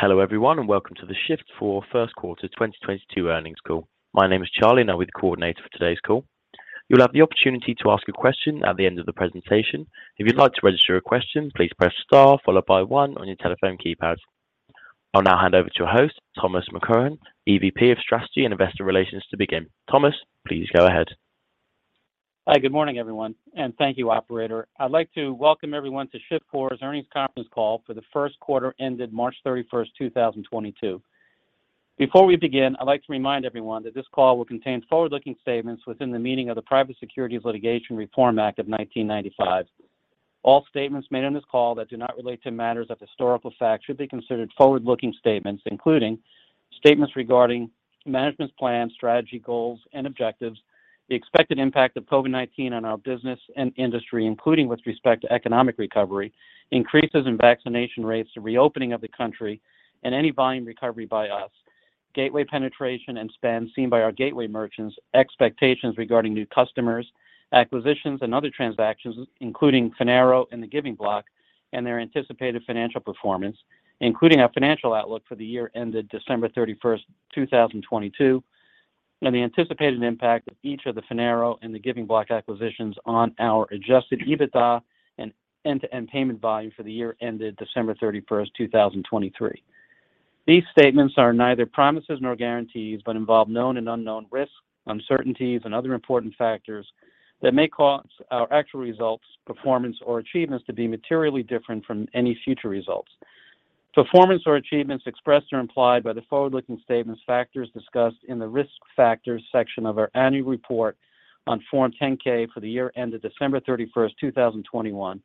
Hello, everyone, and welcome to the Shift4 First Quarter 2022 Earnings Call. My name is Charlie, and I'm with the coordinator for today's call. You'll have the opportunity to ask a question at the end of the presentation. If you'd like to register a question, please press star followed by one on your telephone keypad. I'll now hand over to your host, Thomas McCrohan, EVP of Strategy and Investor Relations to begin. Thomas, please go ahead. Hi. Good morning, everyone, and thank you, operator. I'd like to welcome everyone to Shift4's earnings conference call for the first quarter ended March 31st, 2022. Before we begin, I'd like to remind everyone that this call will contain forward-looking statements within the meaning of the Private Securities Litigation Reform Act of 1995. All statements made on this call that do not relate to matters of historical fact should be considered forward-looking statements, including statements regarding management's plans, strategy, goals, and objectives, the expected impact of COVID-19 on our business and industry, including with respect to economic recovery, increases in vaccination rates, the reopening of the country, and any volume recovery by us, gateway penetration and spend seen by our gateway merchants, expectations regarding new customers, acquisitions, and other transactions, including Finaro and The Giving Block, and their anticipated financial performance, including our financial outlook for the year ended December 31, 2022, and the anticipated impact of each of the Finaro and The Giving Block acquisitions on our adjusted EBITDA and end-to-end payment volume for the year ended December 31st, 2023. These statements are neither promises nor guarantees but involve known and unknown risks, uncertainties, and other important factors that may cause our actual results, performance, or achievements to be materially different from any future results, performance or achievements expressed or implied by the forward-looking statements. Factors discussed in the Risk Factors section of our annual report on Form 10-K for the year ended December 31st, 2021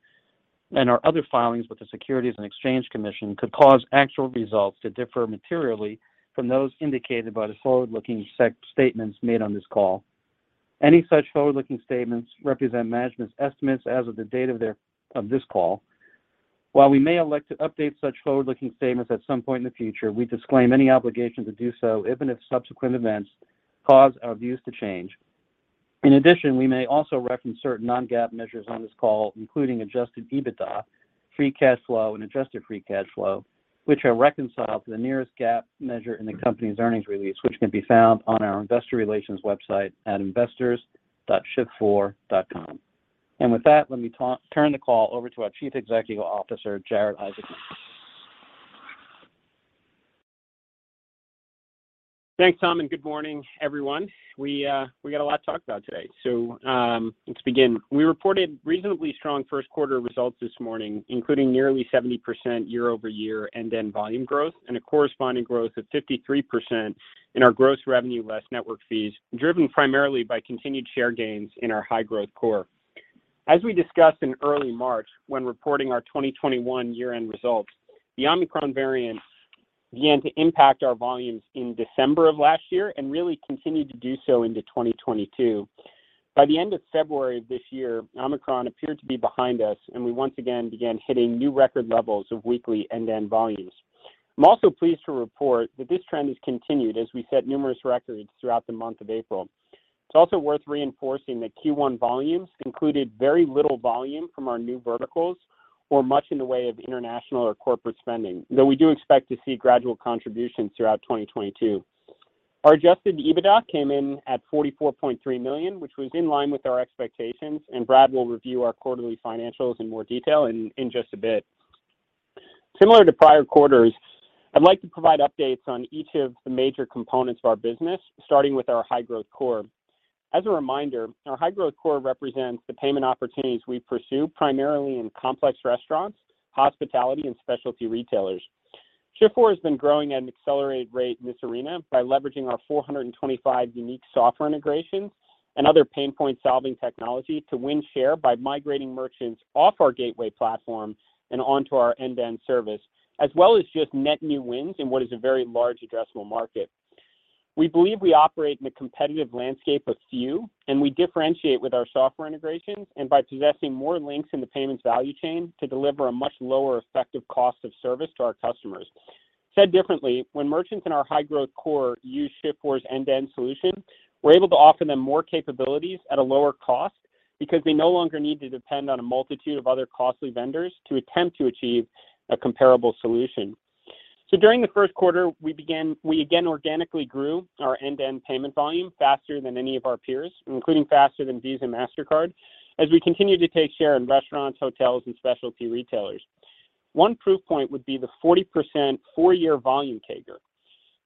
and our other filings with the Securities and Exchange Commission could cause actual results to differ materially from those indicated by the forward-looking statements made on this call. Any such forward-looking statements represent management's estimates as of the date of this call. While we may elect to update such forward-looking statements at some point in the future, we disclaim any obligation to do so even if subsequent events cause our views to change. In addition, we may also reference certain non-GAAP measures on this call, including adjusted EBITDA, free cash flow, and adjusted free cash flow, which are reconciled to the nearest GAAP measure in the company's earnings release, which can be found on our investor relations website at investors.shift4.com. With that, let me turn the call over to our Chief Executive Officer, Jared Isaacman. Thanks, Tom, and good morning, everyone. We got a lot to talk about today, so, let's begin. We reported reasonably strong first quarter results this morning, including nearly 70% year-over-year end-to-end volume growth and a corresponding growth of 53% in our gross revenue less network fees, driven primarily by continued share gains in our high-growth core. As we discussed in early March when reporting our 2021 year-end results, the Omicron variant began to impact our volumes in December of last year and really continued to do so into 2022. By the end of February this year, Omicron appeared to be behind us, and we once again began hitting new record levels of weekly end-to-end volumes. I'm also pleased to report that this trend has continued as we set numerous records throughout the month of April. It's also worth reinforcing that Q1 volumes included very little volume from our new verticals or much in the way of international or corporate spending, though we do expect to see gradual contributions throughout 2022. Our adjusted EBITDA came in at $44.3 million, which was in line with our expectations, and Brad will review our quarterly financials in more detail in just a bit. Similar to prior quarters, I'd like to provide updates on each of the major components of our business, starting with our high-growth core. As a reminder, our high-growth core represents the payment opportunities we pursue primarily in complex restaurants, hospitality, and specialty retailers. Shift4 has been growing at an accelerated rate in this arena by leveraging our 425 unique software integrations and other pain point-solving technology to win share by migrating merchants off our gateway platform and onto our end-to-end service, as well as just net new wins in what is a very large addressable market. We believe we operate in a competitive landscape of few, and we differentiate with our software integrations and by possessing more links in the payments value chain to deliver a much lower effective cost of service to our customers. Said differently, when merchants in our high-growth core use Shift4's end-to-end solution, we're able to offer them more capabilities at a lower cost because they no longer need to depend on a multitude of other costly vendors to attempt to achieve a comparable solution. During the first quarter, we again organically grew our end-to-end payment volume faster than any of our peers, including faster than Visa and Mastercard, as we continue to take share in restaurants, hotels, and specialty retailers. One proof point would be the 40% four-year volume CAGR.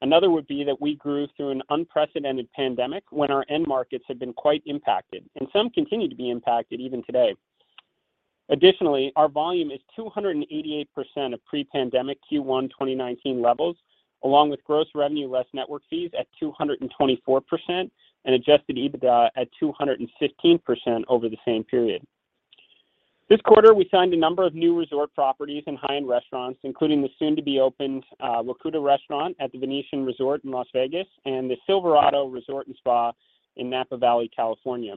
Another would be that we grew through an unprecedented pandemic when our end markets had been quite impacted, and some continue to be impacted even today. Additionally, our volume is 288% of pre-pandemic Q1 2019 levels, along with gross revenue less network fees at 224% and adjusted EBITDA at 215% over the same period. This quarter, we signed a number of new resort properties and high-end restaurants, including the soon-to-be-opened LAVO restaurant at the Venetian Resort in Las Vegas and the Silverado Resort and Spa in Napa Valley, California.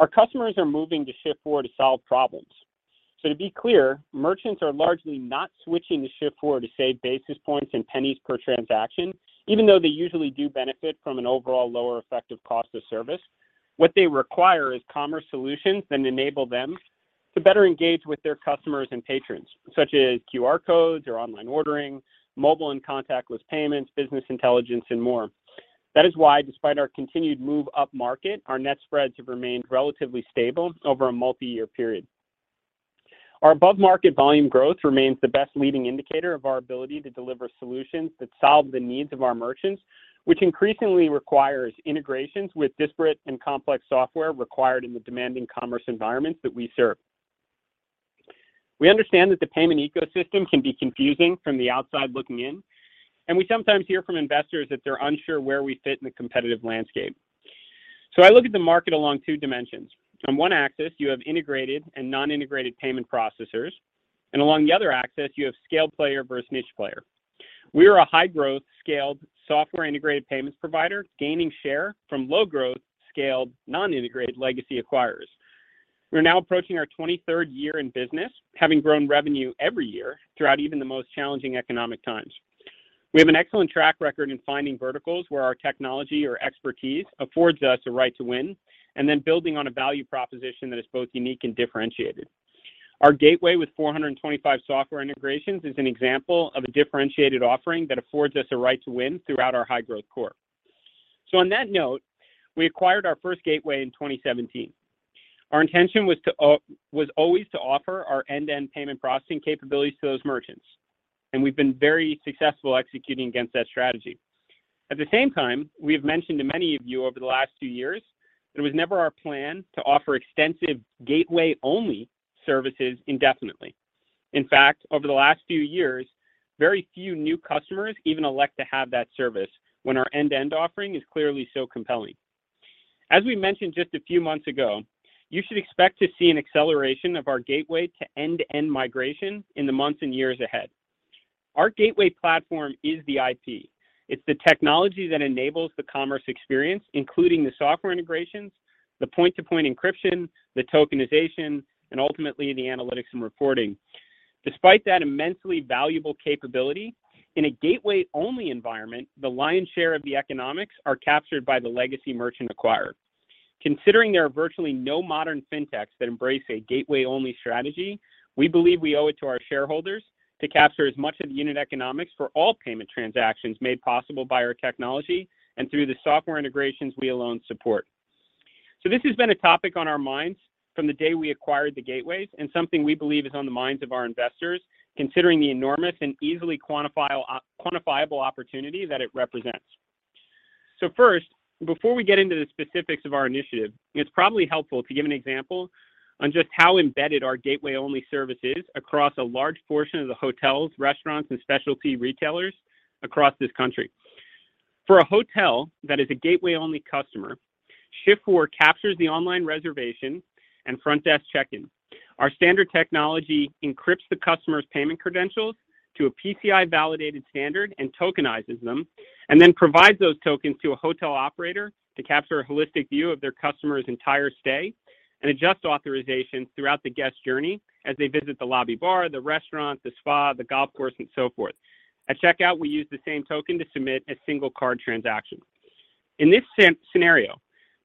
Our customers are moving to Shift4 to solve problems. To be clear, merchants are largely not switching to Shift4 to save basis points and pennies per transaction, even though they usually do benefit from an overall lower effective cost of service. What they require is commerce solutions that enable them to better engage with their customers and patrons, such as QR codes or online ordering, mobile and contactless payments, business intelligence, and more. That is why, despite our continued move upmarket, our net spreads have remained relatively stable over a multi-year period. Our above-market volume growth remains the best leading indicator of our ability to deliver solutions that solve the needs of our merchants, which increasingly requires integrations with disparate and complex software required in the demanding commerce environments that we serve. We understand that the payment ecosystem can be confusing from the outside looking in, and we sometimes hear from investors that they're unsure where we fit in the competitive landscape. I look at the market along two dimensions. On one axis, you have integrated and non-integrated payment processors, and along the other axis, you have scale player versus niche player. We are a high-growth, scaled, software-integrated payments provider gaining share from low-growth, scaled, non-integrated legacy acquirers. We're now approaching our 23rd year in business, having grown revenue every year throughout even the most challenging economic times. We have an excellent track record in finding verticals where our technology or expertise affords us a right to win, and then building on a value proposition that is both unique and differentiated. Our gateway with 425 software integrations is an example of a differentiated offering that affords us a right to win throughout our high-growth core. On that note, we acquired our first gateway in 2017. Our intention was always to offer our end-to-end payment processing capabilities to those merchants, and we've been very successful executing against that strategy. At the same time, we have mentioned to many of you over the last few years that it was never our plan to offer extensive gateway-only services indefinitely. In fact, over the last few years, very few new customers even elect to have that service when our end-to-end offering is clearly so compelling. As we mentioned just a few months ago, you should expect to see an acceleration of our gateway to end-to-end migration in the months and years ahead. Our gateway platform is the IP. It's the technology that enables the commerce experience, including the software integrations, the point-to-point encryption, the tokenization, and ultimately, the analytics and reporting. Despite that immensely valuable capability, in a gateway-only environment, the lion's share of the economics are captured by the legacy merchant acquirer. Considering there are virtually no modern fintechs that embrace a gateway-only strategy, we believe we owe it to our shareholders to capture as much of the unit economics for all payment transactions made possible by our technology and through the software integrations we alone support. This has been a topic on our minds from the day we acquired the gateways and something we believe is on the minds of our investors, considering the enormous and easily quantifiable opportunity that it represents. First, before we get into the specifics of our initiative, it's probably helpful to give an example on just how embedded our gateway-only service is across a large portion of the hotels, restaurants, and specialty retailers across this country. For a hotel that is a gateway-only customer, Shift4 captures the online reservation and front desk check-in. Our standard technology encrypts the customer's payment credentials to a PCI-validated standard and tokenizes them, and then provides those tokens to a hotel operator to capture a holistic view of their customer's entire stay and adjust authorizations throughout the guest's journey as they visit the lobby bar, the restaurant, the spa, the golf course, and so forth. At checkout, we use the same token to submit a single card transaction. In this scenario,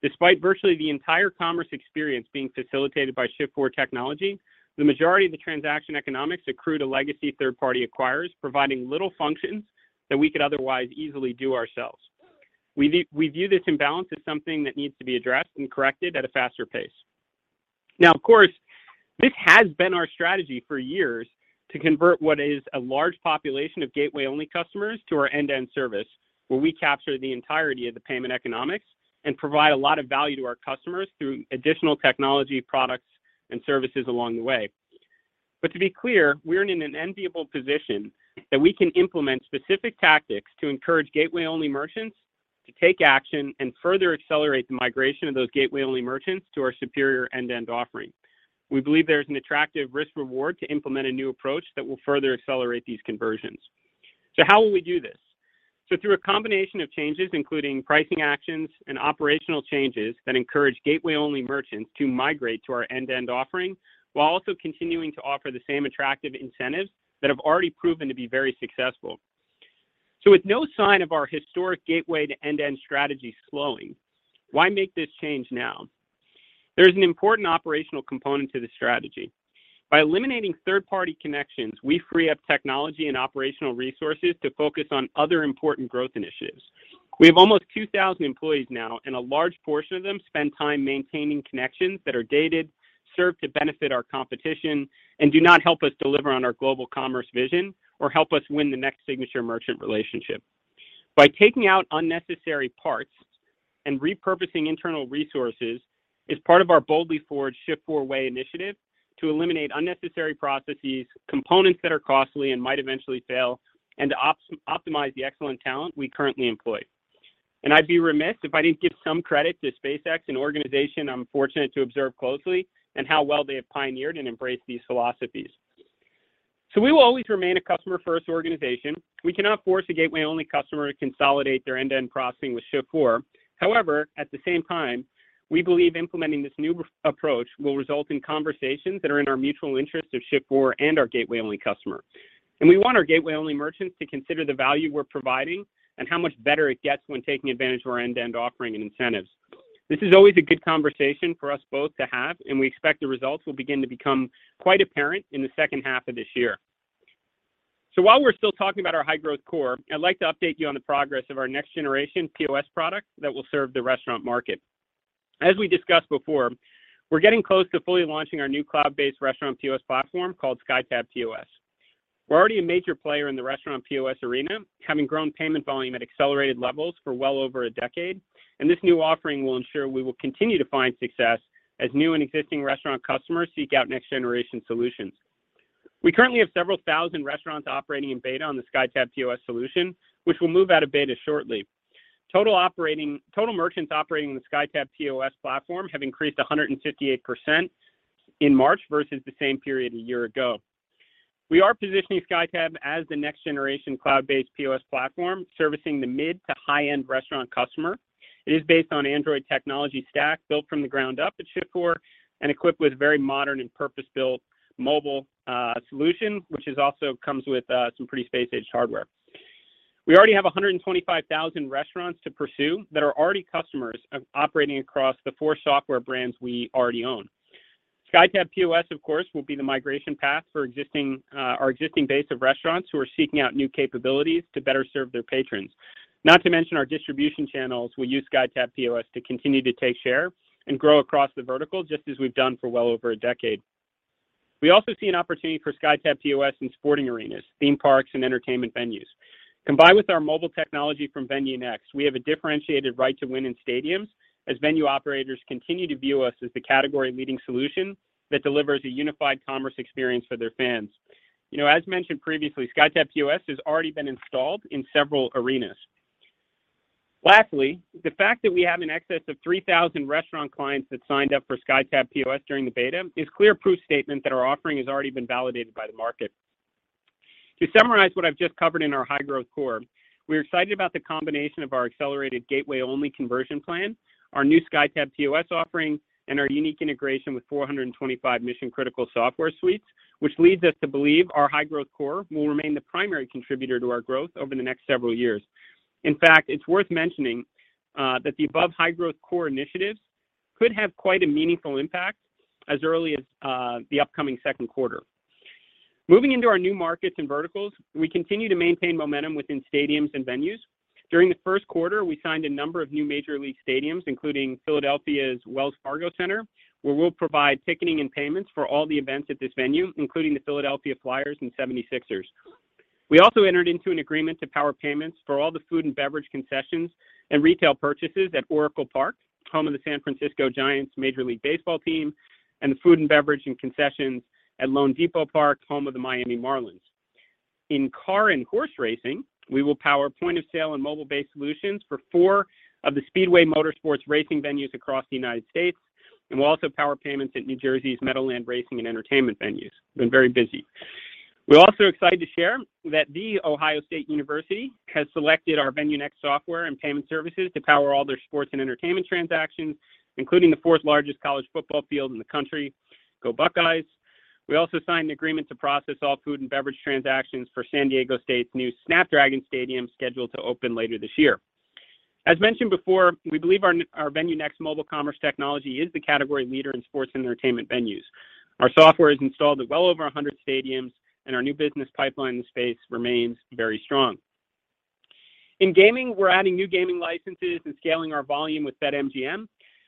despite virtually the entire commerce experience being facilitated by Shift4 technology, the majority of the transaction economics accrue to legacy third-party acquirers providing little functions that we could otherwise easily do ourselves. We view this imbalance as something that needs to be addressed and corrected at a faster pace. Now, of course, this has been our strategy for years to convert what is a large population of gateway-only customers to our end-to-end service, where we capture the entirety of the payment economics and provide a lot of value to our customers through additional technology, products, and services along the way. To be clear, we're in an enviable position that we can implement specific tactics to encourage gateway-only merchants to take action and further accelerate the migration of those gateway-only merchants to our superior end-to-end offering. We believe there's an attractive risk-reward to implement a new approach that will further accelerate these conversions. How will we do this? Through a combination of changes, including pricing actions and operational changes that encourage gateway-only merchants to migrate to our end-to-end offering, while also continuing to offer the same attractive incentives that have already proven to be very successful. With no sign of our historic gateway to end-to-end strategy slowing, why make this change now? There's an important operational component to this strategy. By eliminating third-party connections, we free up technology and operational resources to focus on other important growth initiatives. We have almost 2,000 employees now, and a large portion of them spend time maintaining connections that are dated, serve to benefit our competition, and do not help us deliver on our global commerce vision or help us win the next signature merchant relationship. By taking out unnecessary parts and repurposing internal resources is part of our boldly forward Shift4 way initiative to eliminate unnecessary processes, components that are costly and might eventually fail, and to optimize the excellent talent we currently employ. I'd be remiss if I didn't give some credit to SpaceX, an organization I'm fortunate to observe closely in how well they have pioneered and embraced these philosophies. We will always remain a customer-first organization. We cannot force a gateway-only customer to consolidate their end-to-end processing with Shift4. However, at the same time, we believe implementing this new approach will result in conversations that are in our mutual interest of Shift4 and our gateway-only customer. We want our gateway-only merchants to consider the value we're providing and how much better it gets when taking advantage of our end-to-end offering and incentives. This is always a good conversation for us both to have, and we expect the results will begin to become quite apparent in the second half of this year. While we're still talking about our high-growth core, I'd like to update you on the progress of our next-generation POS product that will serve the restaurant market. As we discussed before, we're getting close to fully launching our new cloud-based restaurant POS platform called SkyTab POS. We're already a major player in the restaurant POS arena, having grown payment volume at accelerated levels for well over a decade, and this new offering will ensure we will continue to find success as new and existing restaurant customers seek out next-generation solutions. We currently have several thousand restaurants operating in beta on the SkyTab POS solution, which will move out of beta shortly. Total merchants operating the SkyTab POS platform have increased 158% in March versus the same period a year ago. We are positioning SkyTab as the next generation cloud-based POS platform servicing the mid to high-end restaurant customer. It is based on Android technology stack built from the ground up at Shift4 and equipped with very modern and purpose-built mobile solution, which is also comes with some pretty space-age hardware. We already have 125,000 restaurants to pursue that are already customers operating across the four software brands we already own. SkyTab POS, of course, will be the migration path for existing, our existing base of restaurants who are seeking out new capabilities to better serve their patrons, not to mention our distribution channels will use SkyTab POS to continue to take share and grow across the vertical, just as we've done for well over a decade. We also see an opportunity for SkyTab POS in sporting arenas, theme parks, and entertainment venues. Combined with our mobile technology from VenueNext, we have a differentiated right to win in stadiums as venue operators continue to view us as the category-leading solution that delivers a unified commerce experience for their fans. You know, as mentioned previously, SkyTab POS has already been installed in several arenas. Lastly, the fact that we have in excess of 3,000 restaurant clients that signed up for SkyTab POS during the beta is clear proof statement that our offering has already been validated by the market. To summarize what I've just covered in our high-growth core, we're excited about the combination of our accelerated gateway-only conversion plan, our new SkyTab POS offering, and our unique integration with 425 mission-critical software suites, which leads us to believe our high-growth core will remain the primary contributor to our growth over the next several years. In fact, it's worth mentioning that the above high-growth core initiatives could have quite a meaningful impact as early as the upcoming second quarter. Moving into our new markets and verticals, we continue to maintain momentum within stadiums and venues. During the first quarter, we signed a number of new Major League stadiums, including Philadelphia's Wells Fargo Center, where we'll provide ticketing and payments for all the events at this venue, including the Philadelphia Flyers and 76ers. We also entered into an agreement to power payments for all the food and beverage concessions and retail purchases at Oracle Park, home of the San Francisco Giants Major League Baseball team, and the food and beverage and concessions at loanDepot park, home of the Miami Marlins. In car and horse racing, we will power point of sale and mobile-based solutions for four of the Speedway Motorsports racing venues across the United States, and we'll also power payments at New Jersey's Meadowlands Racing & Entertainment venues. Been very busy. We're also excited to share that The Ohio State University has selected our VenueNext software and payment services to power all their sports and entertainment transactions, including the fourth-largest college football field in the country. Go Buckeyes. We also signed an agreement to process all food and beverage transactions for San Diego State's new Snapdragon Stadium, scheduled to open later this year. As mentioned before, we believe our VenueNext mobile commerce technology is the category leader in sports and entertainment venues. Our software is installed at well over 100 stadiums, and our new business pipeline in the space remains very strong. In gaming, we're adding new gaming licenses and scaling our volume with BetMGM.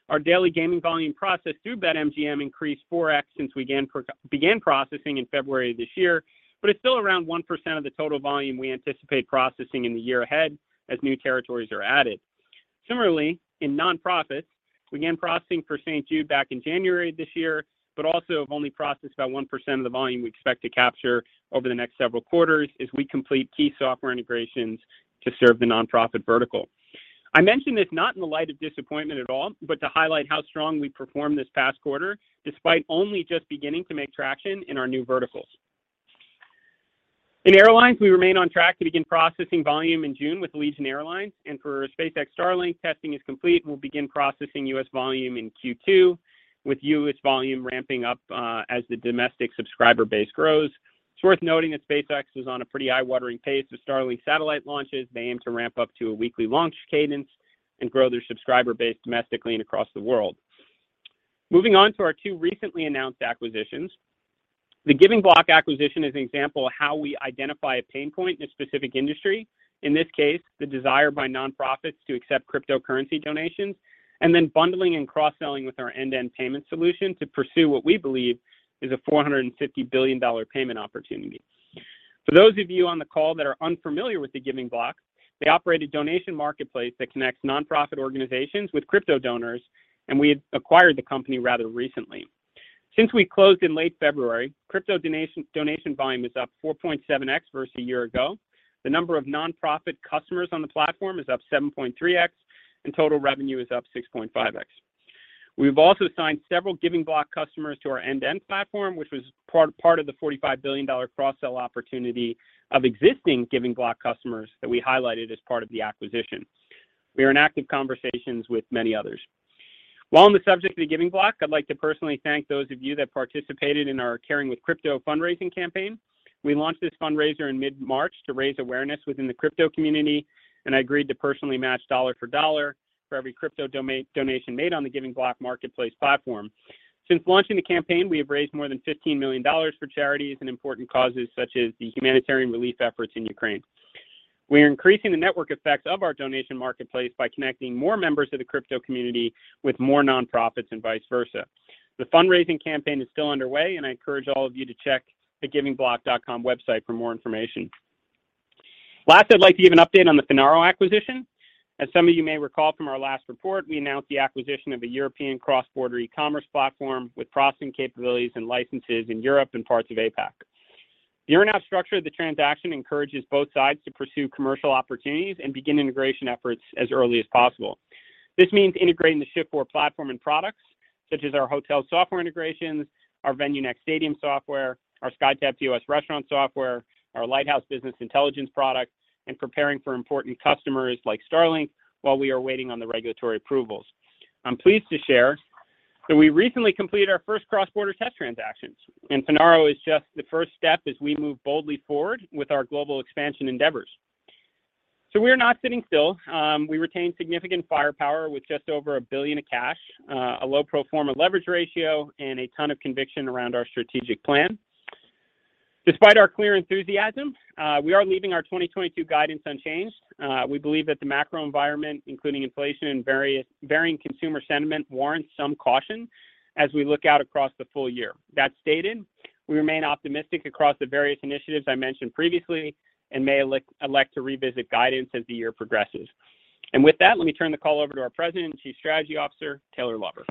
Our daily gaming volume processed through BetMGM increased 4x since we began processing in February of this year, but it's still around 1% of the total volume we anticipate processing in the year ahead as new territories are added. Similarly, in nonprofits, we began processing for St. Jude back in January of this year but also have only processed about 1% of the volume we expect to capture over the next several quarters as we complete key software integrations to serve the nonprofit vertical. I mention this not in the light of disappointment at all but to highlight how strong we performed this past quarter despite only just beginning to make traction in our new verticals. In airlines, we remain on track to begin processing volume in June with Allegiant Airline. For SpaceX Starlink, testing is complete, and we'll begin processing U.S. volume in Q2, with U.S. volume ramping up as the domestic subscriber base grows. It's worth noting that SpaceX was on a pretty eye-watering pace with Starlink satellite launches. They aim to ramp up to a weekly launch cadence and grow their subscriber base domestically and across the world. Moving on to our two recently announced acquisitions. The Giving Block acquisition is an example of how we identify a pain point in a specific industry, in this case, the desire by nonprofits to accept cryptocurrency donations, and then bundling and cross-selling with our end-to-end payment solution to pursue what we believe is a $450 billion payment opportunity. For those of you on the call that are unfamiliar with The Giving Block, they operate a donation marketplace that connects nonprofit organizations with crypto donors, and we acquired the company rather recently. Since we closed in late February, crypto donation volume is up 4.7x versus a year ago. The number of nonprofit customers on the platform is up 7.3x, and total revenue is up 6.5x. We've also signed several Giving Block customers to our end-to-end platform, which was part of the $45 billion cross-sell opportunity of existing Giving Block customers that we highlighted as part of the acquisition. We are in active conversations with many others. While on the subject of The Giving Block, I'd like to personally thank those of you that participated in our Caring with Crypto fundraising campaign. We launched this fundraiser in mid-March to raise awareness within the crypto community, and I agreed to personally match dollar for dollar for every crypto donation made on the Giving Block marketplace platform. Since launching the campaign, we have raised more than $15 million for charities and important causes such as the humanitarian relief efforts in Ukraine. We are increasing the network effects of our donation marketplace by connecting more members of the crypto community with more nonprofits and vice versa. The fundraising campaign is still underway, and I encourage all of you to check the givingblock.com website for more information. Last, I'd like to give an update on the Finaro acquisition. As some of you may recall from our last report, we announced the acquisition of a European cross-border e-commerce platform with processing capabilities and licenses in Europe and parts of APAC. The earn-out structure of the transaction encourages both sides to pursue commercial opportunities and begin integration efforts as early as possible. This means integrating the Shift4 platform and products, such as our hotel software integrations, our VenueNext stadium software, our SkyTab POS restaurant software, our Lighthouse business intelligence product, and preparing for important customers like Starlink while we are waiting on the regulatory approvals. I'm pleased to share that we recently completed our first cross-border test transactions, and Finaro is just the first step as we move boldly forward with our global expansion endeavors. We're not sitting still. We retain significant firepower with just over $1 billion of cash, a low pro forma leverage ratio, and a ton of conviction around our strategic plan. Despite our clear enthusiasm, we are leaving our 2022 guidance unchanged. We believe that the macro environment, including inflation and varying consumer sentiment, warrants some caution as we look out across the full year. That stated, we remain optimistic across the various initiatives I mentioned previously and may elect to revisit guidance as the year progresses. With that, let me turn the call over to our President and Chief Strategy Officer, Taylor Lauber.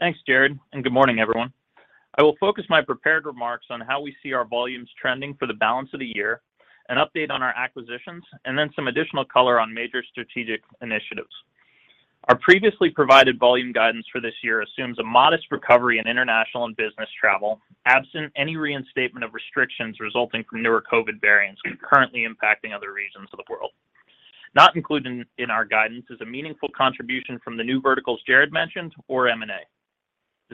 Thanks, Jared, and good morning, everyone. I will focus my prepared remarks on how we see our volumes trending for the balance of the year, an update on our acquisitions, and then some additional color on major strategic initiatives. Our previously provided volume guidance for this year assumes a modest recovery in international and business travel, absent any reinstatement of restrictions resulting from newer COVID variants currently impacting other regions of the world. Not included in our guidance is a meaningful contribution from the new verticals Jared mentioned or M&A.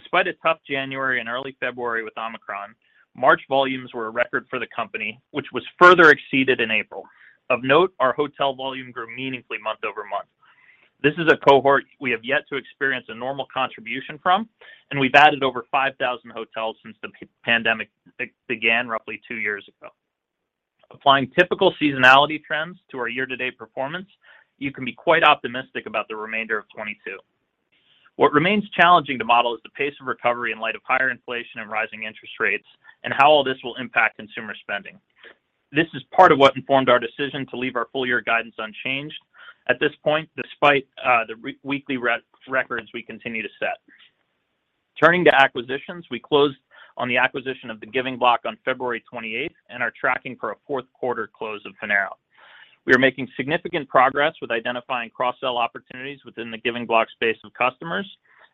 Despite a tough January and early February with Omicron, March volumes were a record for the company, which was further exceeded in April. Of note, our hotel volume grew meaningfully month-over-month. This is a cohort we have yet to experience a normal contribution from, and we've added over 5,000 hotels since the pandemic began roughly two years ago. Applying typical seasonality trends to our year-to-date performance, you can be quite optimistic about the remainder of 2022. What remains challenging to model is the pace of recovery in light of higher inflation and rising interest rates and how all this will impact consumer spending. This is part of what informed our decision to leave our full year guidance unchanged. At this point, despite the weekly records we continue to set. Turning to acquisitions, we closed on the acquisition of The Giving Block on February 28 and are tracking for a fourth quarter close of Finaro. We are making significant progress with identifying cross-sell opportunities within the Giving Block base of customers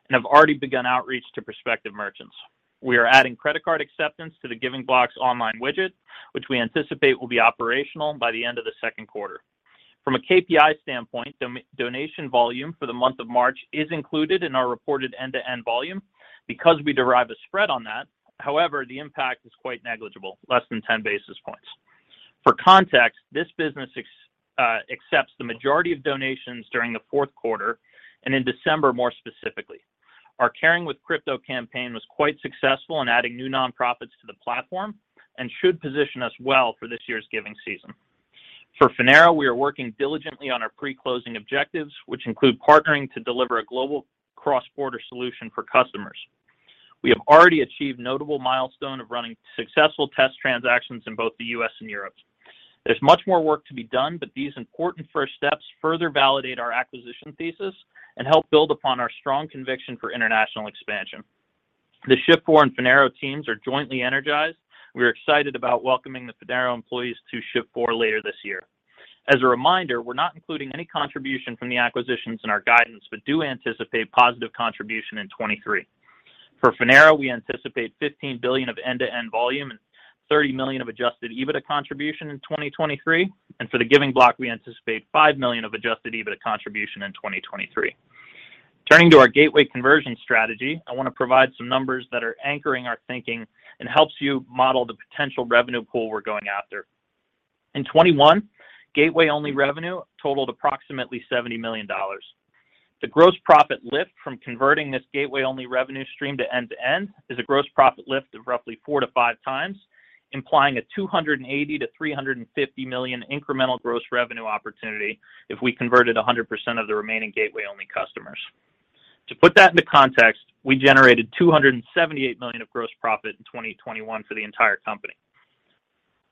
and have already begun outreach to prospective merchants. We are adding credit card acceptance to The Giving Block's online widget, which we anticipate will be operational by the end of the second quarter. From a KPI standpoint, donation volume for the month of March is included in our reported end-to-end volume because we derive a spread on that. However, the impact is quite negligible, less than 10 basis points. For context, this business accepts the majority of donations during the fourth quarter and in December, more specifically. Our Caring with Crypto campaign was quite successful in adding new nonprofits to the platform and should position us well for this year's giving season. For Finaro, we are working diligently on our pre-closing objectives, which include partnering to deliver a global cross-border solution for customers. We have already achieved notable milestone of running successful test transactions in both the U.S. and Europe. There's much more work to be done, but these important first steps further validate our acquisition thesis and help build upon our strong conviction for international expansion. The Shift4 and Finaro teams are jointly energized. We're excited about welcoming the Finaro employees to Shift4 later this year. As a reminder, we're not including any contribution from the acquisitions in our guidance, but do anticipate positive contribution in 2023. For Finaro, we anticipate $15 billion of end-to-end volume and $30 million of adjusted EBITDA contribution in 2023, and for The Giving Block, we anticipate $5 million of adjusted EBITDA contribution in 2023. Turning to our gateway conversion strategy, I want to provide some numbers that are anchoring our thinking and helps you model the potential revenue pool we're going after. In 2021, gateway-only revenue totaled approximately $70 million. The gross profit lift from converting this gateway-only revenue stream to end-to-end is a gross profit lift of roughly four to five times, implying a $280 million-$350 million incremental gross revenue opportunity if we converted 100% of the remaining gateway-only customers. To put that into context, we generated $278 million of gross profit in 2021 for the entire company.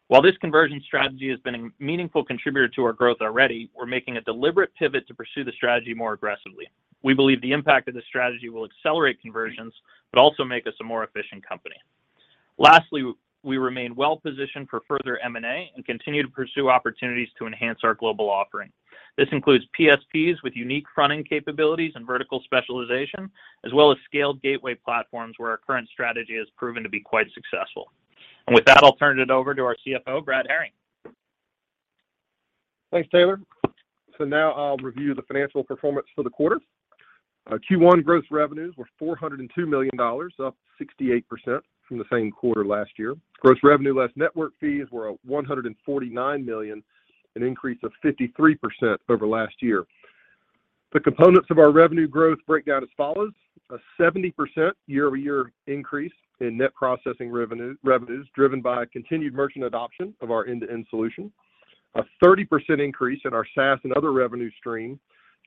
While this conversion strategy has been a meaningful contributor to our growth already, we're making a deliberate pivot to pursue the strategy more aggressively. We believe the impact of this strategy will accelerate conversions but also make us a more efficient company. Lastly, we remain well positioned for further M&A and continue to pursue opportunities to enhance our global offering. This includes PSPs with unique fronting capabilities and vertical specialization, as well as scaled gateway platforms where our current strategy has proven to be quite successful. With that, I'll turn it over to our CFO, Brad Herring. Thanks, Taylor. Now I'll review the financial performance for the quarter. Q1 gross revenues were $402 million, up 68% from the same quarter last year. Gross revenue less network fees were $149 million, an increase of 53% over last year. The components of our revenue growth break down as follows: a 70% year-over-year increase in net processing revenues, driven by a continued merchant adoption of our end-to-end solution, a 30% increase in our SaaS and other revenue stream,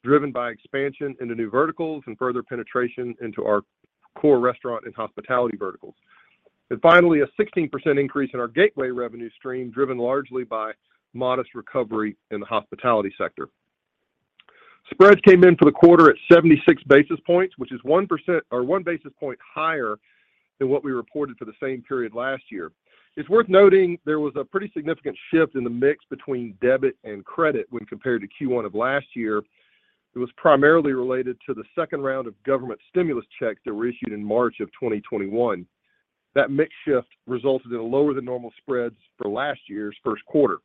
driven by expansion into new verticals and further penetration into our core restaurant and hospitality verticals, and finally, a 16% increase in our gateway revenue stream, driven largely by modest recovery in the hospitality sector. Spreads came in for the quarter at 76 basis points, which is 1% or 1 basis point higher than what we reported for the same period last year. It's worth noting there was a pretty significant shift in the mix between debit and credit when compared to Q1 of last year. It was primarily related to the second round of government stimulus checks that were issued in March of 2021. That mix shift resulted in a lower than normal spreads for last year's first quarter.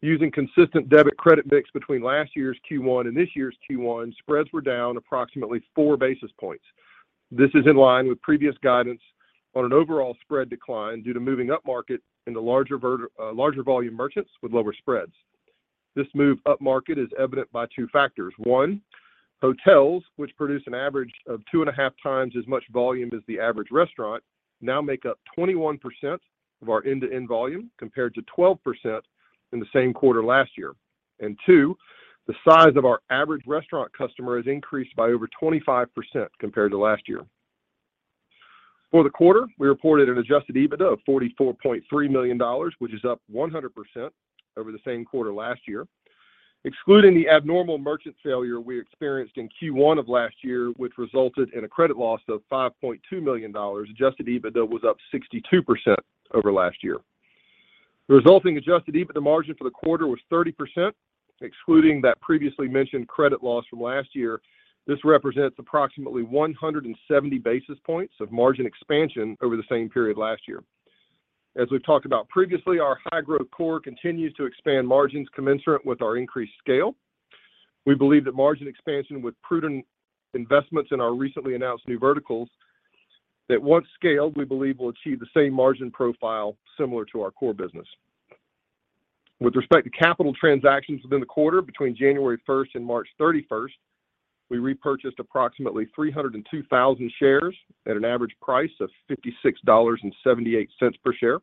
Using consistent debit credit mix between last year's Q1 and this year's Q1, spreads were down approximately 4 basis points. This is in line with previous guidance on an overall spread decline due to moving upmarket into larger volume merchants with lower spreads. This move upmarket is evident by two factors. One, hotels, which produce an average of 2.5 times as much volume as the average restaurant, now make up 21% of our end-to-end volume, compared to 12% in the same quarter last year. Two, the size of our average restaurant customer has increased by over 25% compared to last year. For the quarter, we reported an adjusted EBITDA of $44.3 million, which is up 100% over the same quarter last year. Excluding the abnormal merchant failure we experienced in Q1 of last year, which resulted in a credit loss of $5.2 million, adjusted EBITDA was up 62% over last year. The resulting adjusted EBITDA margin for the quarter was 30%. Excluding that previously mentioned credit loss from last year, this represents approximately 170 basis points of margin expansion over the same period last year. As we've talked about previously, our high-growth core continues to expand margins commensurate with our increased scale. We believe that margin expansion with prudent investments in our recently announced new verticals that, once scaled, we believe will achieve the same margin profile similar to our core business. With respect to capital transactions within the quarter, between January 1st and March 31st, we repurchased approximately 302,000 shares at an average price of $56.78 per share.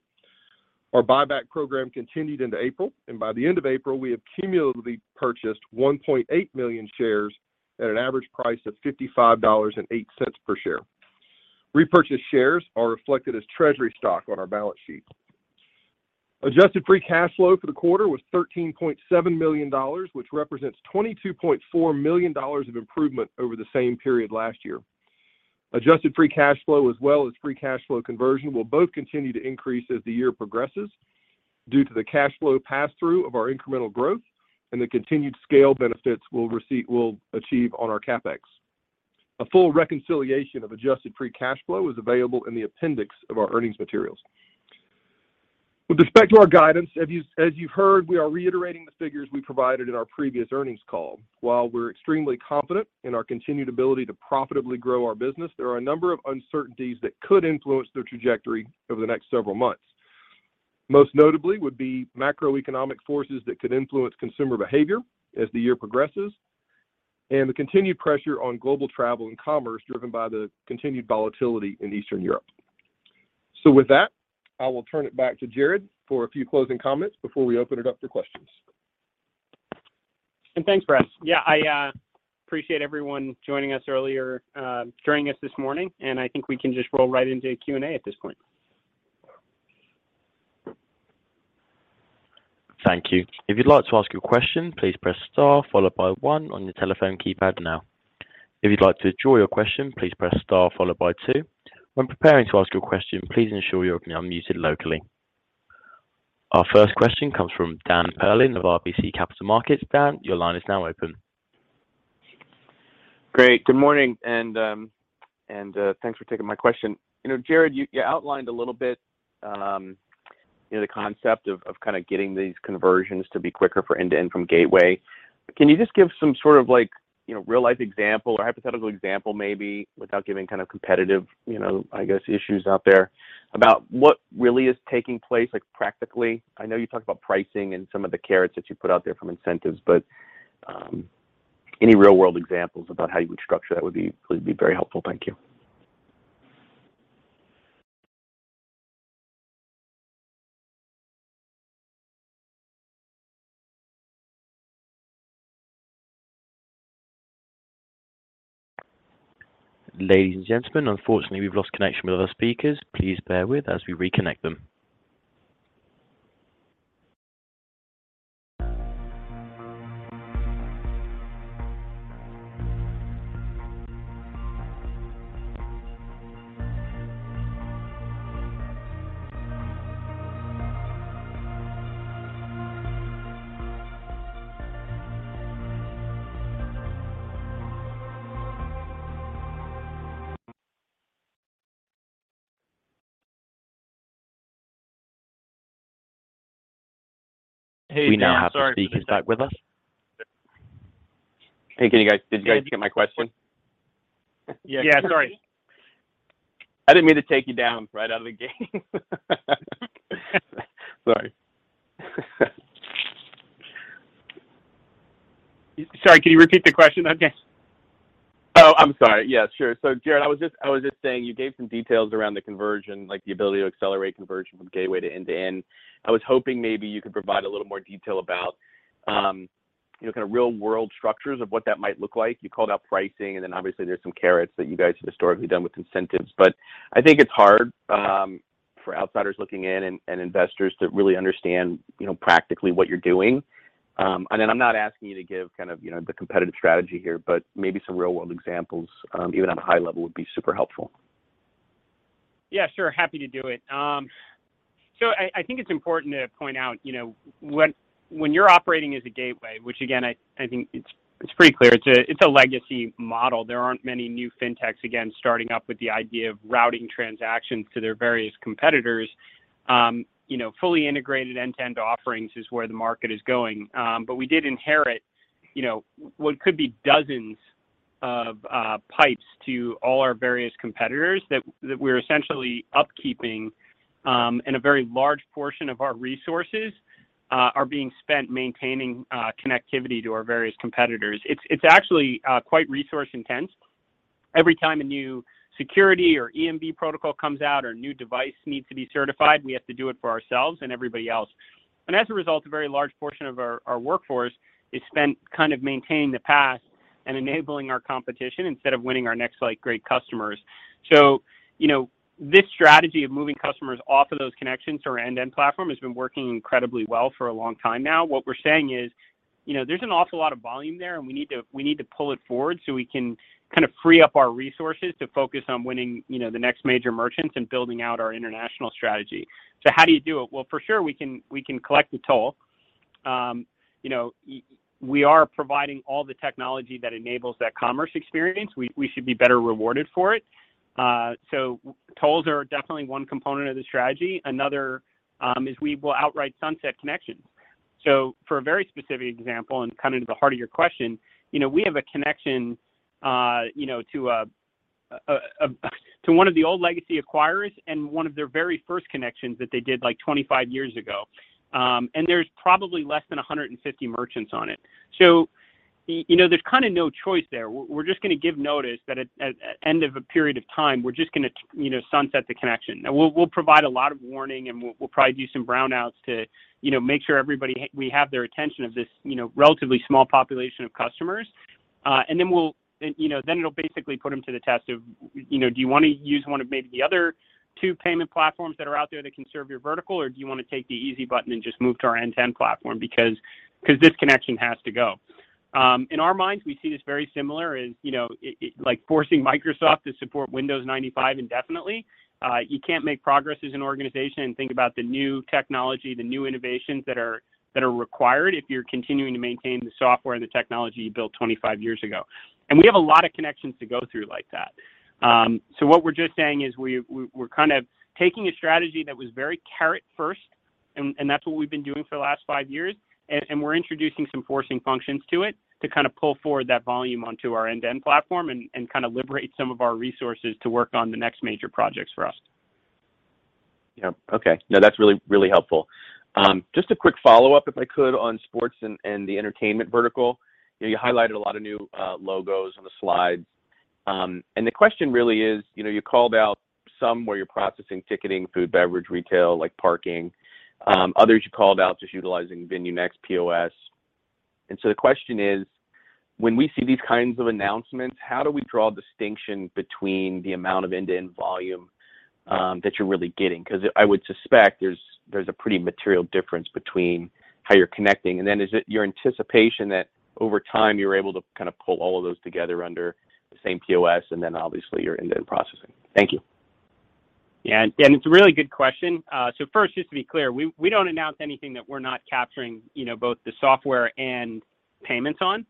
Our buyback program continued into April, and by the end of April, we have cumulatively purchased 1.8 million shares at an average price of $55.08 per share. Repurchased shares are reflected as treasury stock on our balance sheet. Adjusted free cash flow for the quarter was $13.7 million, which represents $22.4 million of improvement over the same period last year. Adjusted free cash flow as well as free cash flow conversion will both continue to increase as the year progresses due to the cash flow pass-through of our incremental growth and the continued scale benefits we'll achieve on our CapEx. A full reconciliation of adjusted free cash flow is available in the appendix of our earnings materials. With respect to our guidance, as you heard, we are reiterating the figures we provided in our previous earnings call. While we're extremely confident in our continued ability to profitably grow our business, there are a number of uncertainties that could influence their trajectory over the next several months. Most notably would be macroeconomic forces that could influence consumer behavior as the year progresses and the continued pressure on global travel and commerce driven by the continued volatility in Eastern Europe. With that, I will turn it back to Jared for a few closing comments before we open it up for questions. Thanks, Brad. Yeah, I appreciate everyone joining us this morning, and I think we can just roll right into Q&A at this point. Thank you. If you'd like to ask your question, please press star followed by one on your telephone keypad now. If you'd like to withdraw your question, please press star followed by two. When preparing to ask your question, please ensure you're unmuted locally. Our first question comes from Dan Perlin of RBC Capital Markets. Dan, your line is now open. Great. Good morning, and thanks for taking my question. You know, Jared, you outlined a little bit, you know, the concept of kinda getting these conversions to be quicker for end-to-end from gateway. Can you just give some sort of, like, you know, real-life example or hypothetical example maybe without giving kind of competitive, you know, I guess, issues out there about what really is taking place, like, practically? I know you talked about pricing and some of the carrots that you put out there from incentives, but any real-world examples about how you would structure that would be very helpful. Thank you. Ladies and gentlemen, unfortunately, we've lost connection with our speakers. Please bear with us as we reconnect them. Hey, Dan. Sorry. We now have the speaker back with us. Hey, did you guys get my question? Yeah. Sorry I didn't mean to take you down right out of the gate. Sorry. Sorry, can you repeat the question again? Oh, I'm sorry. Yeah, sure. Jared, I was just saying you gave some details around the conversion, like the ability to accelerate conversion from gateway to end-to-end. I was hoping maybe you could provide a little more detail about, you know, kind of real world structures of what that might look like. You called out pricing, and then obviously there's some carrots that you guys have historically done with incentives. I think it's hard for outsiders looking in and investors to really understand, you know, practically what you're doing. I'm not asking you to give kind of, you know, the competitive strategy here, but maybe some real world examples, even at a high level, would be super helpful. Yeah, sure. Happy to do it. I think it's important to point out, you know, when you're operating as a gateway, which again, I think it's pretty clear it's a legacy model. There aren't many new fintechs, again, starting up with the idea of routing transactions to their various competitors. You know, fully integrated end-to-end offerings is where the market is going. We did inherit, you know, what could be dozens of pipes to all our various competitors that we're essentially upkeeping, and a very large portion of our resources are being spent maintaining connectivity to our various competitors. It's actually quite resource intense. Every time a new security or EMV protocol comes out or a new device needs to be certified, we have to do it for ourselves and everybody else. As a result, a very large portion of our workforce is spent kind of maintaining the past and enabling our competition instead of winning our next, like, great customers. You know, this strategy of moving customers off of those connections to our end-to-end platform has been working incredibly well for a long time now. What we're saying is, you know, there's an awful lot of volume there and we need to pull it forward so we can kind of free up our resources to focus on winning, you know, the next major merchants and building out our international strategy. How do you do it? Well, for sure we can collect the toll. You know, we are providing all the technology that enables that commerce experience. We should be better rewarded for it. Tolls are definitely one component of the strategy. Another is we will outright sunset connections. For a very specific example, and kind of to the heart of your question, you know, we have a connection, you know, to one of the old legacy acquirers and one of their very first connections that they did like 25 years ago. There's probably less than 150 merchants on it. You know, there's kind of no choice there. We're just gonna give notice that at end of a period of time, we're just gonna you know, sunset the connection. Now we'll provide a lot of warning and we'll probably do some brownouts to you know make sure everybody we have their attention on this you know relatively small population of customers. You know, then it'll basically put them to the test of, you know, do you want to use one of maybe the other two payment platforms that are out there that can serve your vertical, or do you want to take the easy button and just move to our end-to-end platform because this connection has to go. In our minds, we see this very similar as, you know, it like forcing Microsoft to support Windows 95 indefinitely. You can't make progress as an organization and think about the new technology, the new innovations that are required if you're continuing to maintain the software and the technology you built 25 years ago. We have a lot of connections to go through like that. What we're just saying is we're kind of taking a strategy that was very carrot first, and that's what we've been doing for the last five years, and we're introducing some forcing functions to it to kind of pull forward that volume onto our end-to-end platform and kind of liberate some of our resources to work on the next major projects for us. Yeah. Okay. No, that's really, really helpful. Just a quick follow-up, if I could, on sports and the entertainment vertical. You know, you highlighted a lot of new logos on the slides. The question really is, you know, you called out some where you're processing ticketing, food, beverage, retail, like parking. Others you called out just utilizing VenueNext POS. The question is, when we see these kinds of announcements, how do we draw a distinction between the amount of end-to-end volume that you're really getting? 'Cause I would suspect there's a pretty material difference between how you're connecting. Is it your anticipation that over time you're able to kind of pull all of those together under the same POS and then obviously your end-to-end processing? Thank you. Yeah. It's a really good question. First, just to be clear, we don't announce anything that we're not capturing, you know, both the software and payments on.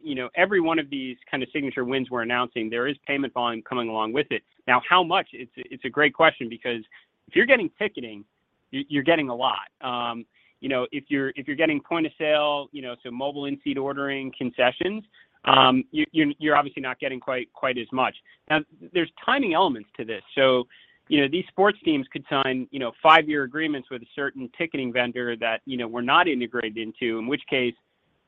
You know, every one of these kind of signature wins we're announcing, there is payment volume coming along with it. Now, how much? It's a great question because if you're getting ticketing, you're getting a lot. You know, if you're getting point of sale, you know, so mobile in-seat ordering concessions, you're obviously not getting quite as much. Now there's timing elements to this. You know, these sports teams could sign, you know, five-year agreements with a certain ticketing vendor that, you know, we're not integrated into. In which case,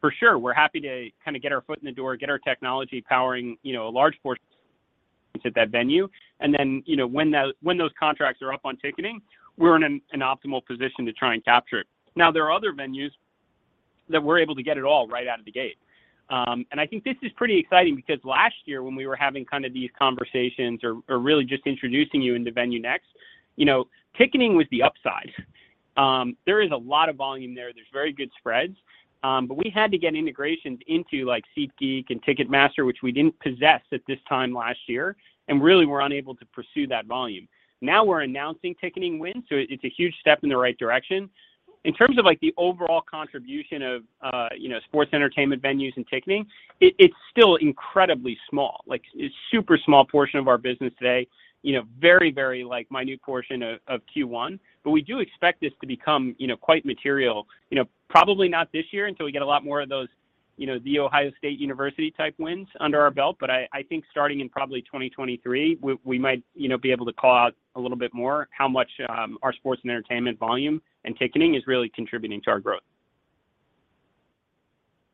for sure, we're happy to kind of get our foot in the door, get our technology powering, you know, a large portion at that venue. Then, you know, when those contracts are up on ticketing, we're in an optimal position to try and capture it. Now, there are other venues that we're able to get it all right out of the gate. I think this is pretty exciting because last year when we were having kind of these conversations or really just introducing you into VenueNext, you know, ticketing was the upside. There is a lot of volume there. There's very good spreads. But we had to get integrations into like SeatGeek and Ticketmaster, which we didn't possess at this time last year, and really were unable to pursue that volume. Now we're announcing ticketing wins, so it's a huge step in the right direction. In terms of like the overall contribution of, you know, sports entertainment venues and ticketing, it's still incredibly small. Like it's super small portion of our business today. You know, very like minute portion of Q1. But we do expect this to become, you know, quite material. You know, probably not this year until we get a lot more of those, you know, The Ohio State University type wins under our belt, but I think starting in probably 2023, we might, you know, be able to call out a little bit more how much our sports and entertainment volume and ticketing is really contributing to our growth.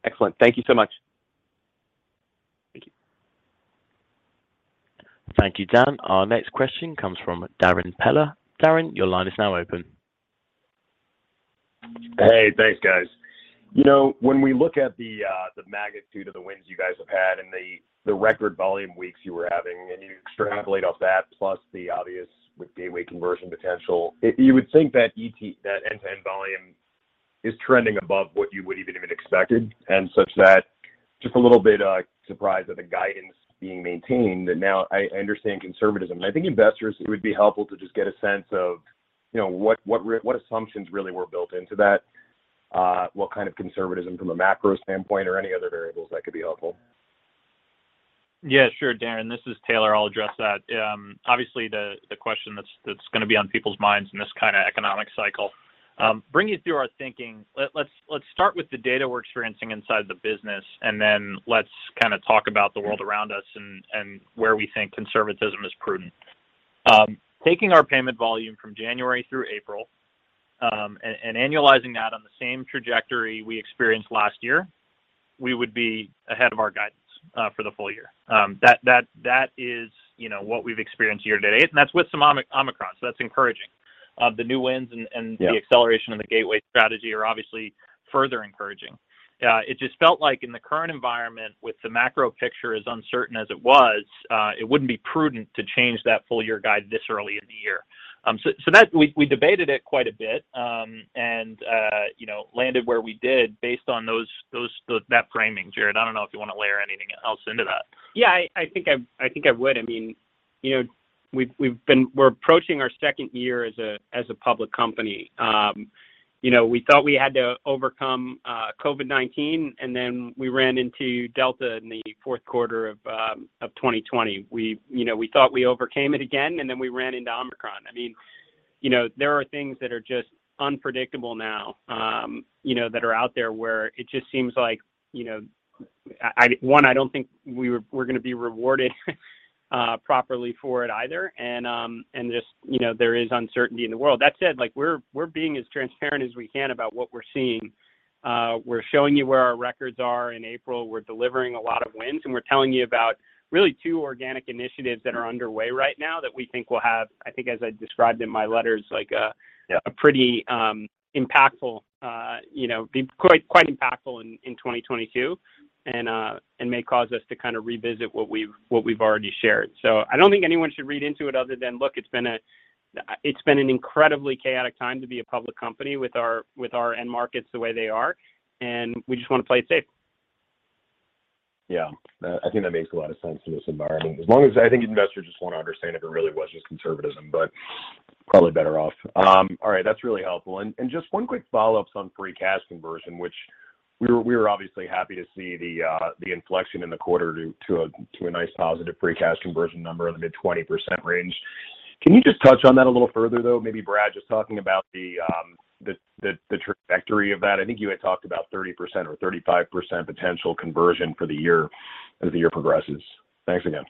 Excellent. Thank you so much. Thank you. Thank you, Dan. Our next question comes from Darrin Peller. Darrin, your line is now open. Hey, thanks guys. You know, when we look at the magnitude of the wins you guys have had and the record volume weeks you were having, and you extrapolate off that plus the obvious with gateway conversion potential, you would think that end-to-end volume is trending above what you would even have expected and such that just a little bit surprised that the guidance being maintained. I understand conservatism, and I think investors, it would be helpful to just get a sense of, you know, what assumptions really were built into that, what kind of conservatism from a macro standpoint or any other variables that could be helpful. Yeah, sure, Darrin. This is Taylor. I'll address that. Obviously the question that's gonna be on people's minds in this kind of economic cycle. Bring you through our thinking. Let's start with the data we're experiencing inside the business, and then let's kinda talk about the world around us and where we think conservatism is prudent. Taking our payment volume from January through April and annualizing that on the same trajectory we experienced last year, we would be ahead of our guidance for the full year. That is, you know, what we've experienced year to date, and that's with some Omicron, so that's encouraging. The new wins and Yeah The acceleration of the gateway strategy are obviously further encouraging. It just felt like in the current environment with the macro picture as uncertain as it was, it wouldn't be prudent to change that full year guide this early in the year. That we debated it quite a bit, and you know, landed where we did based on that framing. Jared, I don't know if you wanna layer anything else into that. Yeah, I think I would. I mean, you know, we've been approaching our second year as a public company. You know, we thought we had to overcome COVID-19, and then we ran into Delta in the fourth quarter of 2020. You know, we thought we overcame it again, and then we ran into Omicron. I mean, you know, there are things that are just unpredictable now, you know, that are out there where it just seems like, you know, I don't think we're gonna be rewarded properly for it either and just, you know, there is uncertainty in the world. That said, like, we're being as transparent as we can about what we're seeing. We're showing you where our records are in April. We're delivering a lot of wins, and we're telling you about really two organic initiatives that are underway right now that we think will have, I think as I described in my letters, like. Yeah. A pretty impactful, quite impactful in 2022 and may cause us to kind of revisit what we've already shared. I don't think anyone should read into it other than, look, it's been an incredibly chaotic time to be a public company with our end markets the way they are, and we just wanna play it safe. Yeah. No, I think that makes a lot of sense in this environment. I think investors just wanna understand if it really was just conservatism, but probably better off. All right, that's really helpful. And just one quick follow-up on free cash conversion, which we were obviously happy to see the inflection in the quarter to a nice positive free cash conversion number in the mid-20% range. Can you just touch on that a little further though? Maybe Brad just talking about the trajectory of that. I think you had talked about 30% or 35% potential conversion for the year as the year progresses. Thanks again.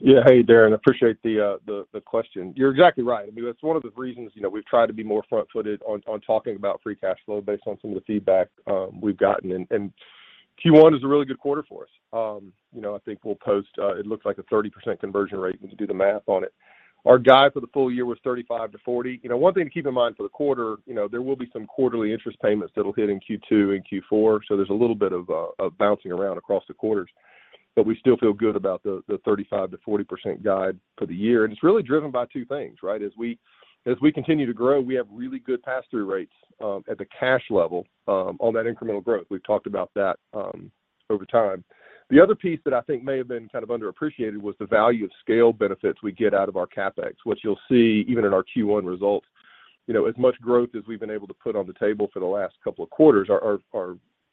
Yeah. Hey, Darrin, appreciate the question. You're exactly right. I mean, that's one of the reasons, you know, we've tried to be more front-footed on talking about free cash flow based on some of the feedback we've gotten. Q1 is a really good quarter for us. You know, I think we'll post it looks like a 30% conversion rate when you do the math on it. Our guide for the full year was 35%-40%. You know, one thing to keep in mind for the quarter, you know, there will be some quarterly interest payments that'll hit in Q2 and Q4, so there's a little bit of bouncing around across the quarters. We still feel good about the 35%-40% guide for the year, and it's really driven by two things, right? As we continue to grow, we have really good pass-through rates at the cash level on that incremental growth. We've talked about that over time. The other piece that I think may have been kind of underappreciated was the value of scale benefits we get out of our CapEx, which you'll see even in our Q1 results. You know, as much growth as we've been able to put on the table for the last couple of quarters, our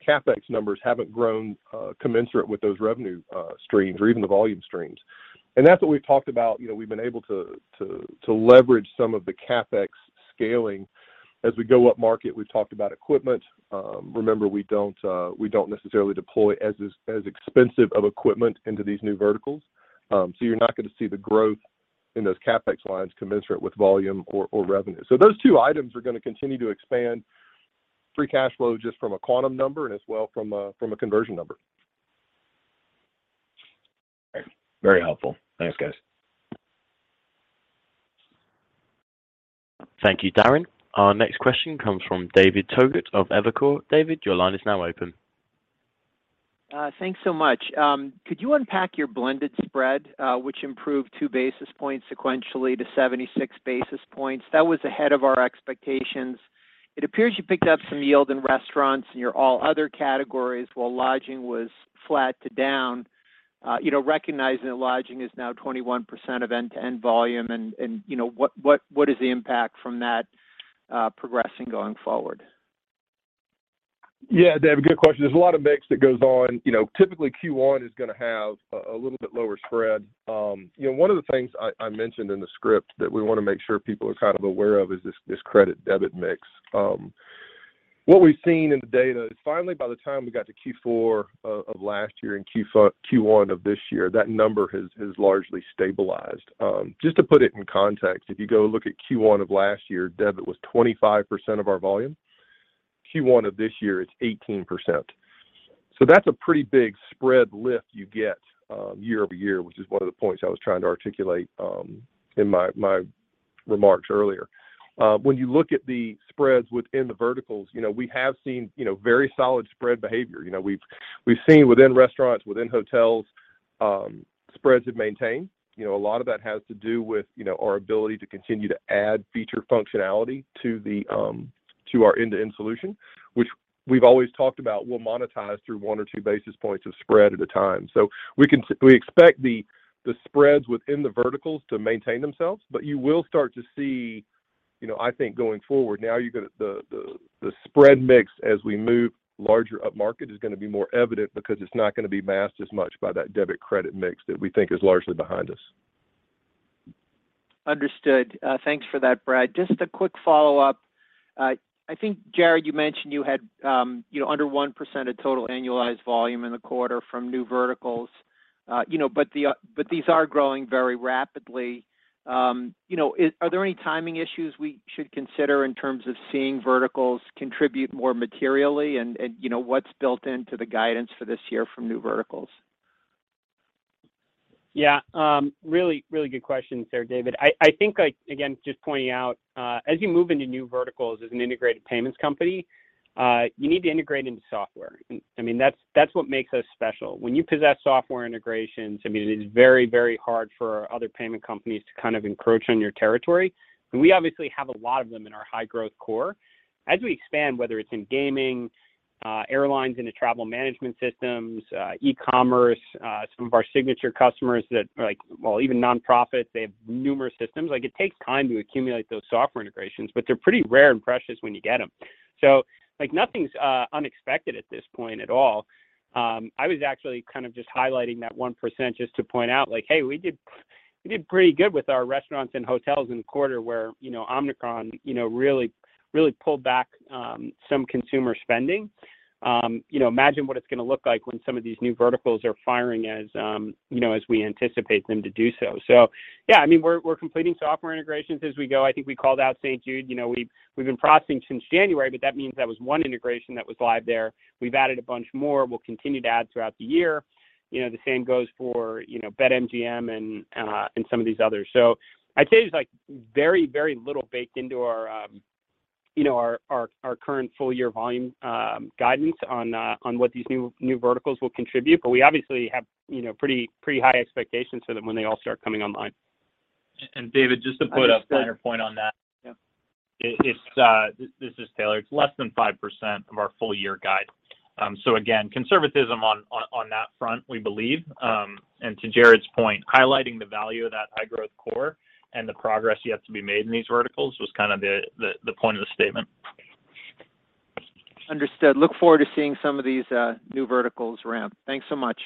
CapEx numbers haven't grown commensurate with those revenue streams or even the volume streams. That's what we've talked about. You know, we've been able to leverage some of the CapEx scaling as we go up market. We've talked about equipment. Remember, we don't necessarily deploy as expensive of equipment into these new verticals. You're not gonna see the growth in those CapEx lines commensurate with volume or revenue. Those two items are gonna continue to expand free cash flow just from a quantum number and as well from a conversion number. Okay. Very helpful. Thanks, guys. Thank you, Darrin. Our next question comes from David Togut of Evercore. David, your line is now open. Thanks so much. Could you unpack your blended spread, which improved 2 basis points sequentially to 76 basis points? That was ahead of our expectations. It appears you picked up some yield in restaurants in your all other categories while lodging was flat to down. You know, recognizing that lodging is now 21% of end-to-end volume and you know, what is the impact from that progressing going forward? Yeah, David, good question. There's a lot of mix that goes on. You know, typically Q1 is gonna have a little bit lower spread. You know, one of the things I mentioned in the script that we wanna make sure people are kind of aware of is this credit debit mix. What we've seen in the data is finally by the time we got to Q4 of last year and Q1 of this year, that number has largely stabilized. Just to put it in context, if you go look at Q1 of last year, debit was 25% of our volume. Q1 of this year, it's 18%. So that's a pretty big spread lift you get year-over-year, which is one of the points I was trying to articulate in my remarks earlier. When you look at the spreads within the verticals, you know, we have seen, you know, very solid spread behavior. You know, we've seen within restaurants, within hotels, spreads have maintained. You know, a lot of that has to do with, you know, our ability to continue to add feature functionality to our end-to-end solution, which we've always talked about will monetize through one or two basis points of spread at a time. We expect the spreads within the verticals to maintain themselves, but you will start to see, you know, I think going forward, the spread mix as we move larger up-market is gonna be more evident because it's not gonna be masked as much by that debit-credit mix that we think is largely behind us. Understood. Thanks for that, Brad. Just a quick follow-up. I think, Jared, you mentioned you had, you know, under 1% of total annualized volume in the quarter from new verticals. You know, but these are growing very rapidly. You know, are there any timing issues we should consider in terms of seeing verticals contribute more materially and, you know, what's built into the guidance for this year from new verticals? Yeah. Really, really good question there, David. I think, like, again, just pointing out, as you move into new verticals as an integrated payments company, you need to integrate into software. I mean, that's what makes us special. When you possess software integrations, I mean, it is very, very hard for other payment companies to kind of encroach on your territory. We obviously have a lot of them in our high-growth core. We expand, whether it's in gaming, airlines into travel management systems, e-commerce, some of our signature customers that like, well, even nonprofits, they have numerous systems. Like it takes time to accumulate those software integrations, but they're pretty rare and precious when you get them. Like, nothing's unexpected at this point at all. I was actually kind of just highlighting that 1% just to point out like, "Hey, we did pretty good with our restaurants and hotels in the quarter where, you know, Omicron really pulled back some consumer spending." You know, imagine what it's gonna look like when some of these new verticals are firing as, you know, as we anticipate them to do so. Yeah, I mean, we're completing software integrations as we go. I think we called out St. Jude. You know, we've been processing since January, but that means that was one integration that was live there. We've added a bunch more. We'll continue to add throughout the year. You know, the same goes for, you know, BetMGM and some of these others. I'd say there's like very, very little baked into our, you know, our current full year volume guidance on what these new verticals will contribute, but we obviously have, you know, pretty high expectations for them when they all start coming online. David, just to put a finer point on that. Yeah. This is Taylor. It's less than 5% of our full year guide. Again, conservatism on that front, we believe. To Jared's point, highlighting the value of that high-growth core and the progress yet to be made in these verticals was kind of the point of the statement. Understood. Look forward to seeing some of these, new verticals ramp. Thanks so much.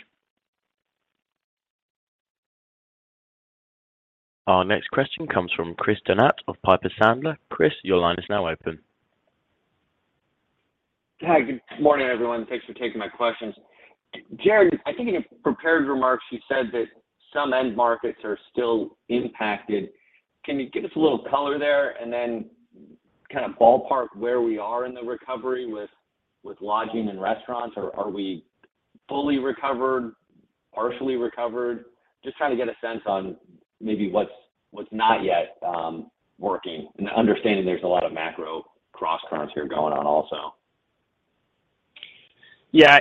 Our next question comes from Chris Donat of Piper Sandler. Chris, your line is now open. Hi, good morning, everyone. Thanks for taking my questions. Jared, I think in your prepared remarks, you said that some end markets are still impacted. Can you give us a little color there and then kind of ballpark where we are in the recovery with lodging and restaurants? Are we fully recovered, partially recovered? Just trying to get a sense on maybe what's not yet working and understanding there's a lot of macro crosscurrents here going on also. Yeah.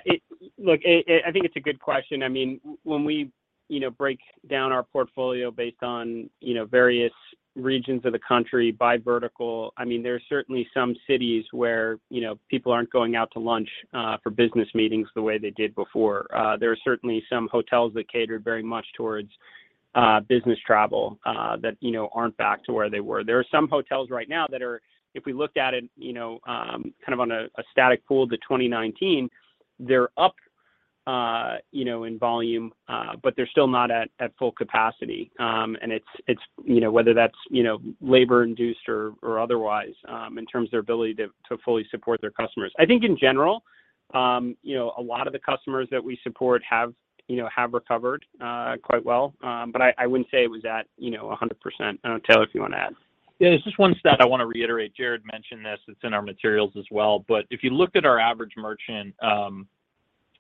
Look, I think it's a good question. I mean, when we you know, break down our portfolio based on you know, various regions of the country by vertical, I mean, there are certainly some cities where you know, people aren't going out to lunch for business meetings the way they did before. There are certainly some hotels that catered very much towards business travel that you know, aren't back to where they were. There are some hotels right now that are, if we looked at it you know, kind of on a static pool to 2019, they're up you know, in volume but they're still not at full capacity. It's you know, whether that's you know, labor induced or otherwise in terms of their ability to fully support their customers. I think in general, you know, a lot of the customers that we support have, you know, recovered quite well. But I wouldn't say it was at, you know, 100%. I don't know, Taylor, if you wanna add. Yeah, it's just one stat I wanna reiterate. Jared mentioned this, it's in our materials as well. If you looked at our average merchant,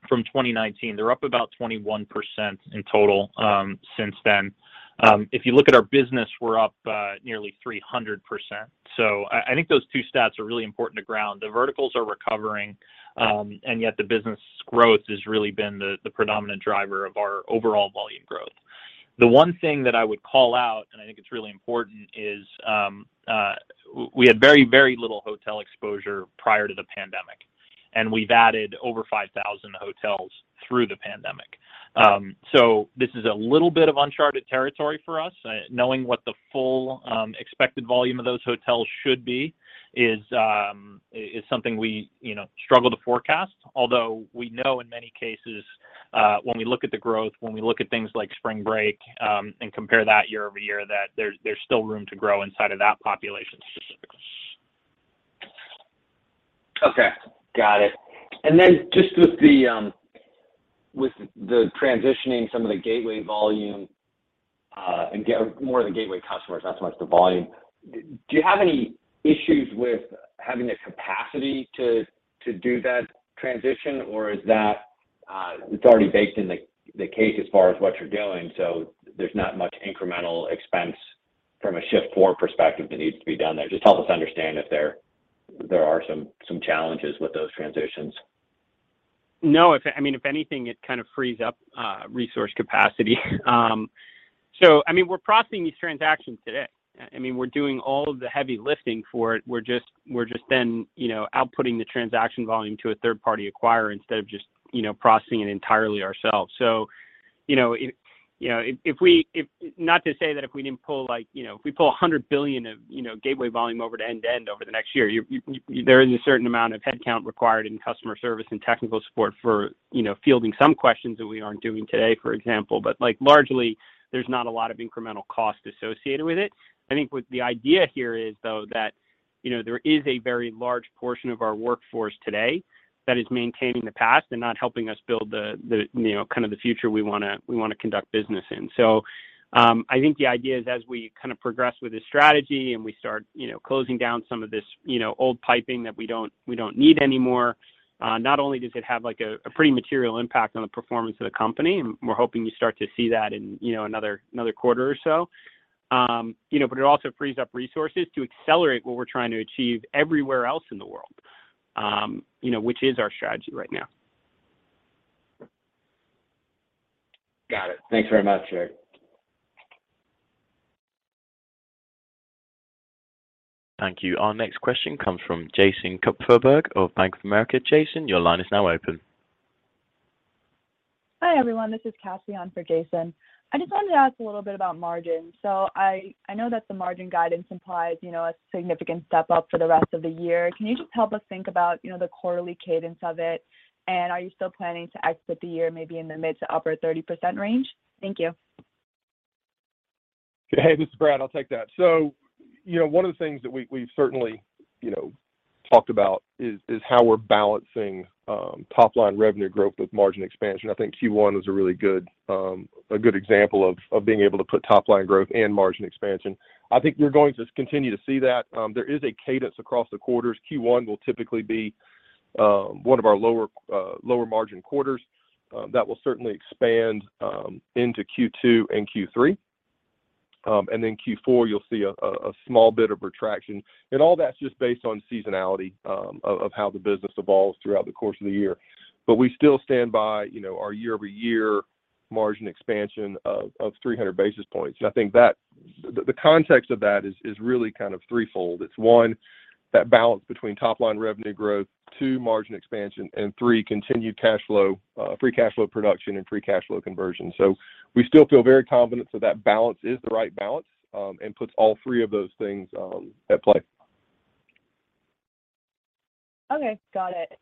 from 2019, they're up about 21% in total, since then. If you look at our business, we're up nearly 300%. I think those two stats are really important to ground. The verticals are recovering, and yet the business growth has really been the predominant driver of our overall volume growth. The one thing that I would call out, and I think it's really important, is we had very, very little hotel exposure prior to the pandemic, and we've added over 5,000 hotels through the pandemic. This is a little bit of uncharted territory for us. Knowing what the full expected volume of those hotels should be is something we, you know, struggle to forecast. Although we know in many cases, when we look at the growth, when we look at things like spring break, and compare that year over year, that there's still room to grow inside of that population. Okay, got it. Then just with the transitioning some of the gateway volume and get more of the gateway customers, not so much the volume. Do you have any issues with having the capacity to do that transition or is that it's already baked in the case as far as what you're doing, so there's not much incremental expense from a Shift4 perspective that needs to be done there? Just help us understand if there are some challenges with those transitions. No. If, I mean, if anything, it kind of frees up resource capacity. I mean, we're processing these transactions today. I mean, we're doing all of the heavy lifting for it. We're just then, you know, outputting the transaction volume to a third party acquirer instead of just, you know, processing it entirely ourselves. You know, if we pull 100 billion of gateway volume over to end-to-end over the next year, there is a certain amount of headcount required in customer service and technical support for, you know, fielding some questions that we aren't doing today, for example. But like, largely, there's not a lot of incremental cost associated with it. I think what the idea here is though that you know there is a very large portion of our workforce today that is maintaining the past and not helping us build the you know kind of the future we wanna conduct business in. I think the idea is as we kind of progress with this strategy and we start you know closing down some of this you know old piping that we don't need anymore not only does it have like a pretty material impact on the performance of the company and we're hoping you start to see that in you know another quarter or so. It also frees up resources to accelerate what we're trying to achieve everywhere else in the world you know which is our strategy right now. Got it. Thanks very much, Jared. Thank you. Our next question comes from Jason Kupferberg of Bank of America. Jason, your line is now open. Hi, everyone. This is Cassie on for Jason. I just wanted to ask a little bit about margin. I know that the margin guidance implies, you know, a significant step up for the rest of the year. Can you just help us think about, you know, the quarterly cadence of it? Are you still planning to exit the year maybe in the mid to upper 30% range? Thank you. Hey, this is Brad. I'll take that. You know, one of the things that we've certainly, you know, talked about is how we're balancing top line revenue growth with margin expansion. I think Q1 was a really good example of being able to put top line growth and margin expansion. I think you're going to continue to see that there is a cadence across the quarters. Q1 will typically be one of our lower margin quarters that will certainly expand into Q2 and Q3. Q4 you'll see a small bit of retraction. All that's just based on seasonality of how the business evolves throughout the course of the year. We still stand by, you know, our year-over-year margin expansion of 300 basis points. I think that the context of that is really kind of threefold. It's one, that balance between top line revenue growth, two margin expansion, and three continued cash flow, free cash flow production and free cash flow conversion. We still feel very confident that that balance is the right balance, and puts all three of those things at play. Okay. Got it.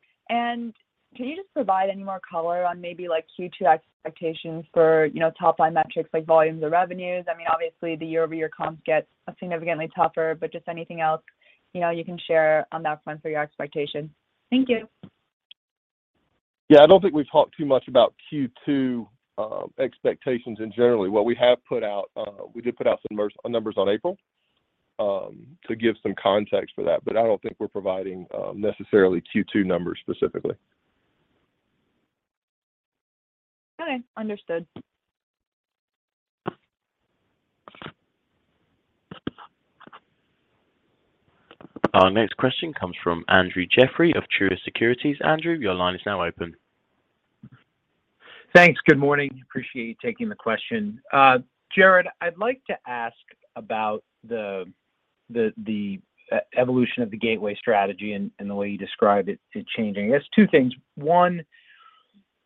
Can you just provide any more color on maybe like Q2 expectations for, you know, top line metrics like volumes or revenues? I mean, obviously the year-over-year comps get significantly tougher, but just anything else, you know, you can share on that front for your expectations. Thank you. Yeah. I don't think we've talked too much about Q2 expectations in general. What we have put out, we did put out some numbers on April to give some context for that, but I don't think we're providing necessarily Q2 numbers specifically. Okay. Understood. Our next question comes from Andrew Jeffrey of Truist Securities. Andrew, your line is now open. Thanks. Good morning. Appreciate you taking the question. Jared, I'd like to ask about the evolution of the gateway strategy and the way you describe it changing. I guess two things. One,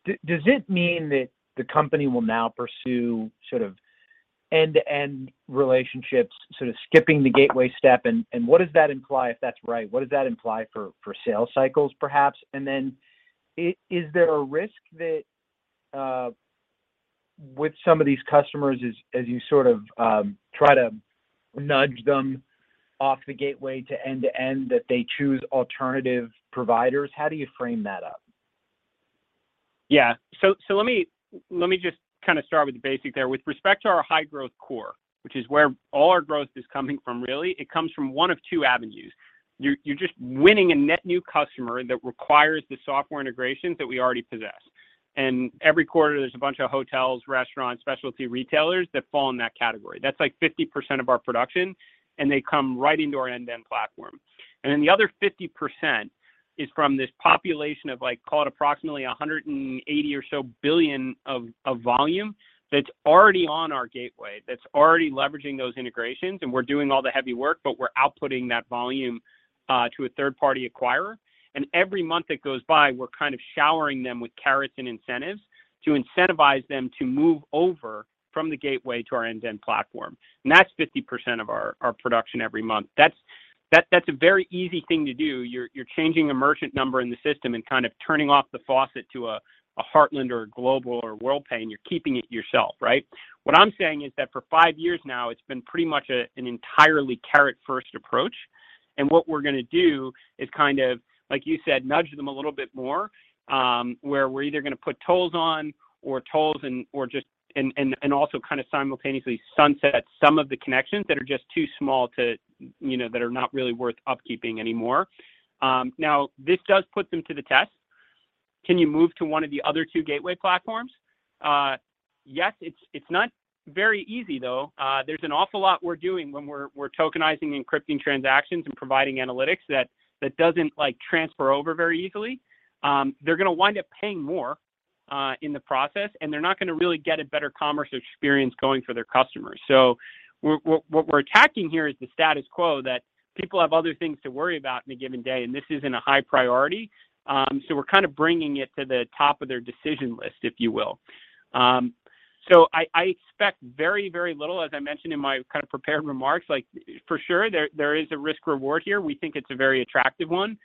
does it mean that the company will now pursue sort of end-to-end relationships, sort of skipping the gateway step? What does that imply if that's right, what does that imply for sales cycles perhaps? Is there a risk that with some of these customers as you sort of try to nudge them off the gateway to end-to-end that they choose alternative providers? How do you frame that up? Let me just kind of start with the basics there. With respect to our high growth core, which is where all our growth is coming from really, it comes from one of two avenues. You're just winning a net new customer that requires the software integrations that we already possess. Every quarter there's a bunch of hotels, restaurants, specialty retailers that fall in that category. That's like 50% of our production, and they come right into our end-to-end platform. Then the other 50% is from this population of like, call it approximately $180 or so billion of volume that's already on our gateway, that's already leveraging those integrations. We're doing all the heavy work, but we're outputting that volume to a third-party acquirer. Every month that goes by, we're kind of showering them with carrots and incentives to incentivize them to move over from the gateway to our end-to-end platform. That's 50% of our production every month. That's a very easy thing to do. You're changing a merchant number in the system and kind of turning off the faucet to a Heartland or Global or Worldpay, and you're keeping it yourself, right? What I'm saying is that for five years now, it's been pretty much an entirely carrot-first approach. What we're gonna do is kind of, like you said, nudge them a little bit more, where we're either gonna put tolls on or tolls and or just and also kind of simultaneously sunset some of the connections that are just too small to, you know, that are not really worth upkeeping anymore. Now this does put them to the test. Can you move to one of the other two gateway platforms? Yes, it's not very easy though. There's an awful lot we're doing when we're tokenizing, encrypting transactions and providing analytics that doesn't transfer over very easily. They're gonna wind up paying more in the process, and they're not gonna really get a better commerce experience going for their customers. What we're attacking here is the status quo that people have other things to worry about in a given day, and this isn't a high priority. We're kind of bringing it to the top of their decision list, if you will. I expect very little, as I mentioned in my kind of prepared remarks. Like for sure, there is a risk reward here. We think it's a very attractive one.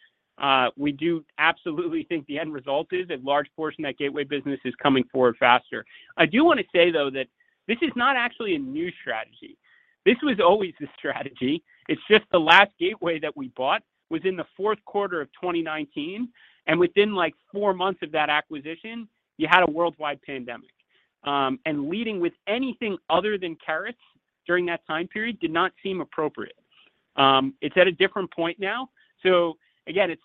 We do absolutely think the end result is a large portion of that gateway business is coming forward faster. I do wanna say though that this is not actually a new strategy. This was always the strategy. It's just the last gateway that we bought was in the fourth quarter of 2019, and within like four months of that acquisition, you had a worldwide pandemic. Leading with anything other than carrots during that time period did not seem appropriate. It's at a different point now. Again,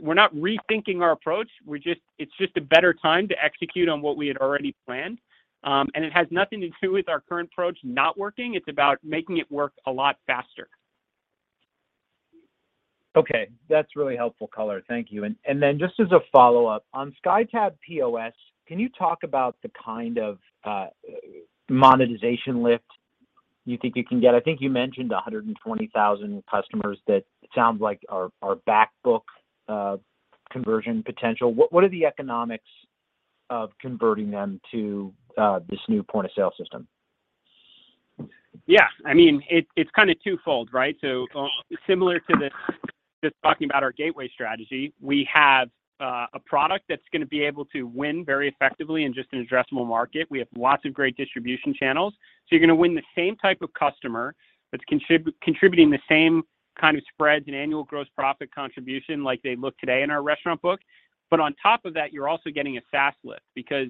we're not rethinking our approach. It's just a better time to execute on what we had already planned. It has nothing to do with our current approach not working. It's about making it work a lot faster. Okay. That's really helpful color. Thank you. Then just as a follow-up, on SkyTab POS, can you talk about the kind of monetization lift you think you can get? I think you mentioned 120,000 customers that sounds like are back book conversion potential. What are the economics of converting them to this new point of sale system? Yeah, I mean it's kind of twofold, right? Similar to just talking about our gateway strategy, we have a product that's gonna be able to win very effectively in just an addressable market. We have lots of great distribution channels, so you're gonna win the same type of customer that's contributing the same kind of spreads and annual gross profit contribution like they look today in our restaurant book. But on top of that, you're also getting a SaaS lift because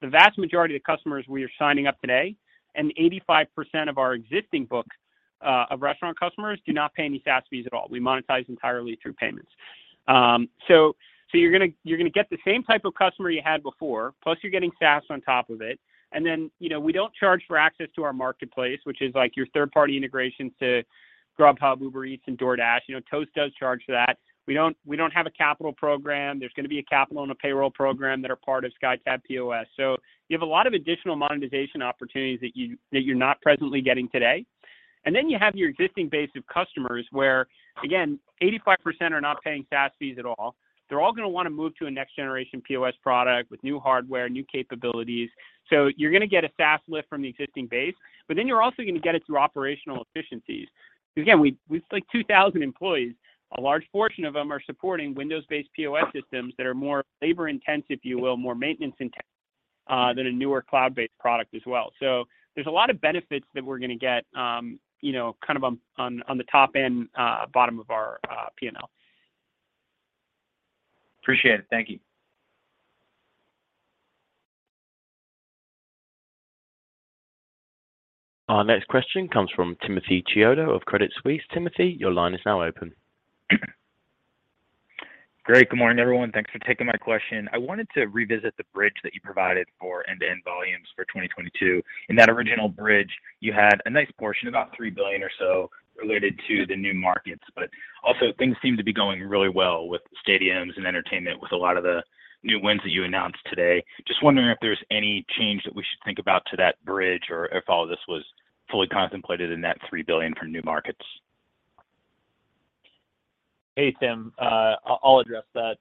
the vast majority of the customers we are signing up today, and 85% of our existing book of restaurant customers do not pay any SaaS fees at all. We monetize entirely through payments. You're gonna get the same type of customer you had before, plus you're getting SaaS on top of it. You know, we don't charge for access to our marketplace, which is like your third party integration to Grubhub, Uber Eats, and DoorDash. You know, Toast does charge for that. We don't have a capital program. There's gonna be a capital and a payroll program that are part of SkyTab POS. You have a lot of additional monetization opportunities that you're not presently getting today. You have your existing base of customers where again, 85% are not paying SaaS fees at all. They're all gonna wanna move to a next generation POS product with new hardware, new capabilities. You're gonna get a SaaS lift from the existing base, but then you're also gonna get it through operational efficiencies. Because again, it's like 2,000 employees, a large portion of them are supporting Windows-based POS systems that are more labor intense, if you will, more maintenance intense than a newer cloud-based product as well. There's a lot of benefits that we're gonna get, you know, kind of on the top end, bottom of our P&L. Appreciate it. Thank you. Our next question comes from Timothy Chiodo of Credit Suisse. Timothy, your line is now open. Great. Good morning, everyone. Thanks for taking my question. I wanted to revisit the bridge that you provided for end-to-end volumes for 2022. In that original bridge, you had a nice portion, about $3 billion or so related to the new markets, but also things seem to be going really well with stadiums and entertainment with a lot of the new wins that you announced today. Just wondering if there's any change that we should think about to that bridge or if all this was fully contemplated in that $3 billion for new markets. Hey, Tim. I'll address that.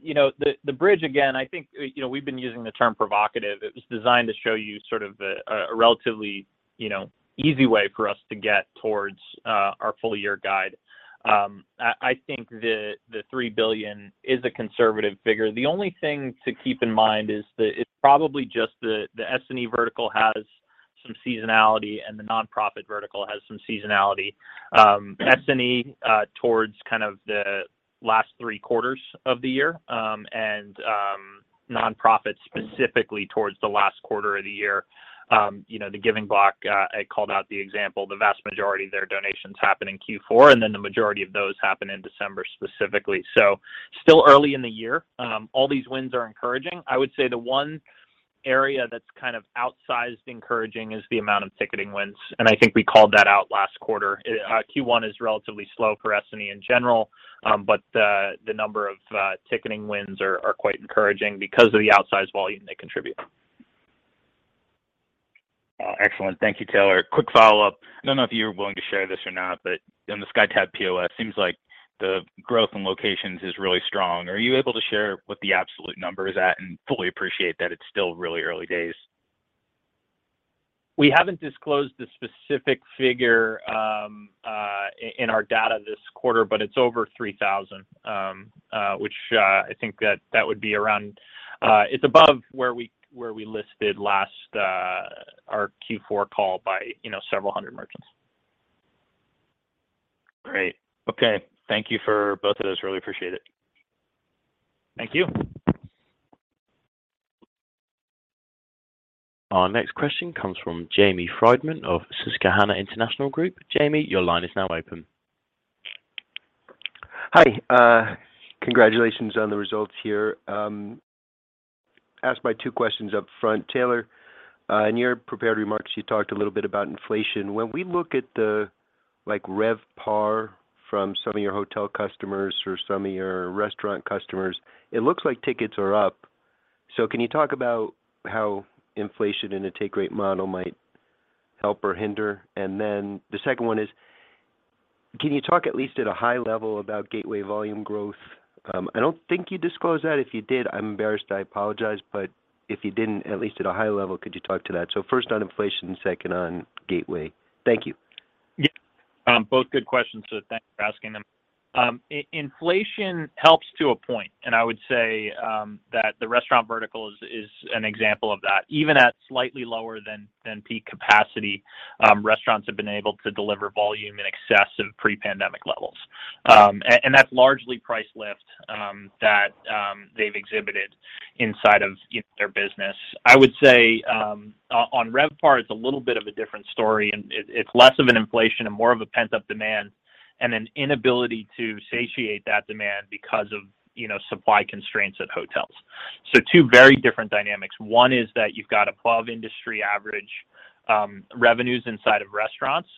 You know, the bridge again, I think, you know, we've been using the term provocative. It was designed to show you sort of a relatively, you know, easy way for us to get towards our full year guide. I think the $3 billion is a conservative figure. The only thing to keep in mind is that it's probably just the S&E vertical has some seasonality, and the nonprofit vertical has some seasonality. S&E towards kind of the last three quarters of the year, and nonprofits specifically towards the last quarter of the year. You know, The Giving Block, I called out the example, the vast majority of their donations happen in Q4, and then the majority of those happen in December specifically. So still early in the year. All these wins are encouraging. I would say the one area that's kind of outsized encouraging is the amount of ticketing wins, and I think we called that out last quarter. Q1 is relatively slow for S&E in general. The number of ticketing wins are quite encouraging because of the outsized volume they contribute. Excellent. Thank you, Taylor. Quick follow-up. I don't know if you're willing to share this or not, but on the SkyTab POS, seems like the growth in locations is really strong. Are you able to share what the absolute number is at? Fully appreciate that it's still really early days. We haven't disclosed the specific figure in our data this quarter, but it's over 3,000, which I think that would be around. It's above where we listed last our Q4 call by, you know, several hundred merchants. Great. Okay. Thank you for both of those. Really appreciate it. Thank you. Our next question comes from Jamie Friedman of Susquehanna International Group. Jamie, your line is now open. Hi, congratulations on the results here. Ask my two questions up front. Taylor, in your prepared remarks, you talked a little bit about inflation. When we look at the, like, RevPAR from some of your hotel customers or some of your restaurant customers, it looks like tickets are up. Can you talk about how inflation in a take rate model might help or hinder? And then the second one is, can you talk at least at a high level about gateway volume growth? I don't think you disclosed that. If you did, I'm embarrassed, I apologize, but if you didn't, at least at a high level, could you talk to that? First on inflation, second on gateway. Thank you. Yeah. Both good questions, so thanks for asking them. Inflation helps to a point, and I would say that the restaurant vertical is an example of that. Even at slightly lower than peak capacity, restaurants have been able to deliver volume in excess of pre-pandemic levels. And that's largely price lift that they've exhibited inside of their business. I would say, on RevPAR, it's a little bit of a different story, and it's less of an inflation and more of a pent-up demand and an inability to satiate that demand because of, you know, supply constraints at hotels. Two very different dynamics. One is that you've got above industry average revenues inside of restaurants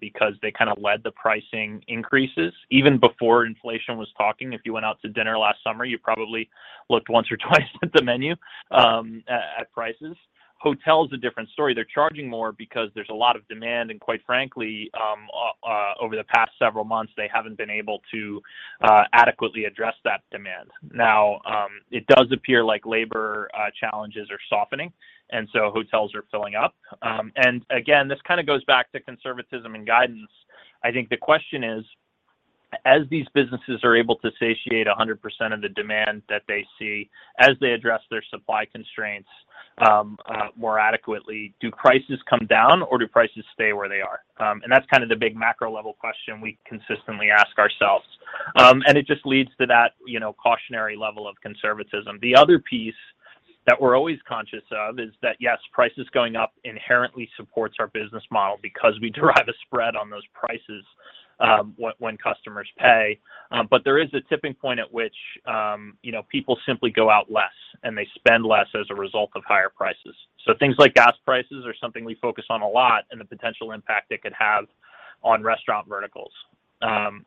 because they kind of led the pricing increases even before inflation was taking. If you went out to dinner last summer, you probably looked once or twice at the menu, at prices. Hotels are a different story. They're charging more because there's a lot of demand, and quite frankly, over the past several months, they haven't been able to adequately address that demand. Now, it does appear like labor challenges are softening, and so hotels are filling up. Again, this kind of goes back to conservatism and guidance. I think the question is, as these businesses are able to satiate 100% of the demand that they see as they address their supply constraints more adequately, do prices come down, or do prices stay where they are? That's kind of the big macro level question we consistently ask ourselves. It just leads to that, you know, cautionary level of conservatism. The other piece that we're always conscious of is that, yes, prices going up inherently supports our business model because we derive a spread on those prices, when customers pay. But there is a tipping point at which, you know, people simply go out less, and they spend less as a result of higher prices. Things like gas prices are something we focus on a lot and the potential impact it could have on restaurant verticals.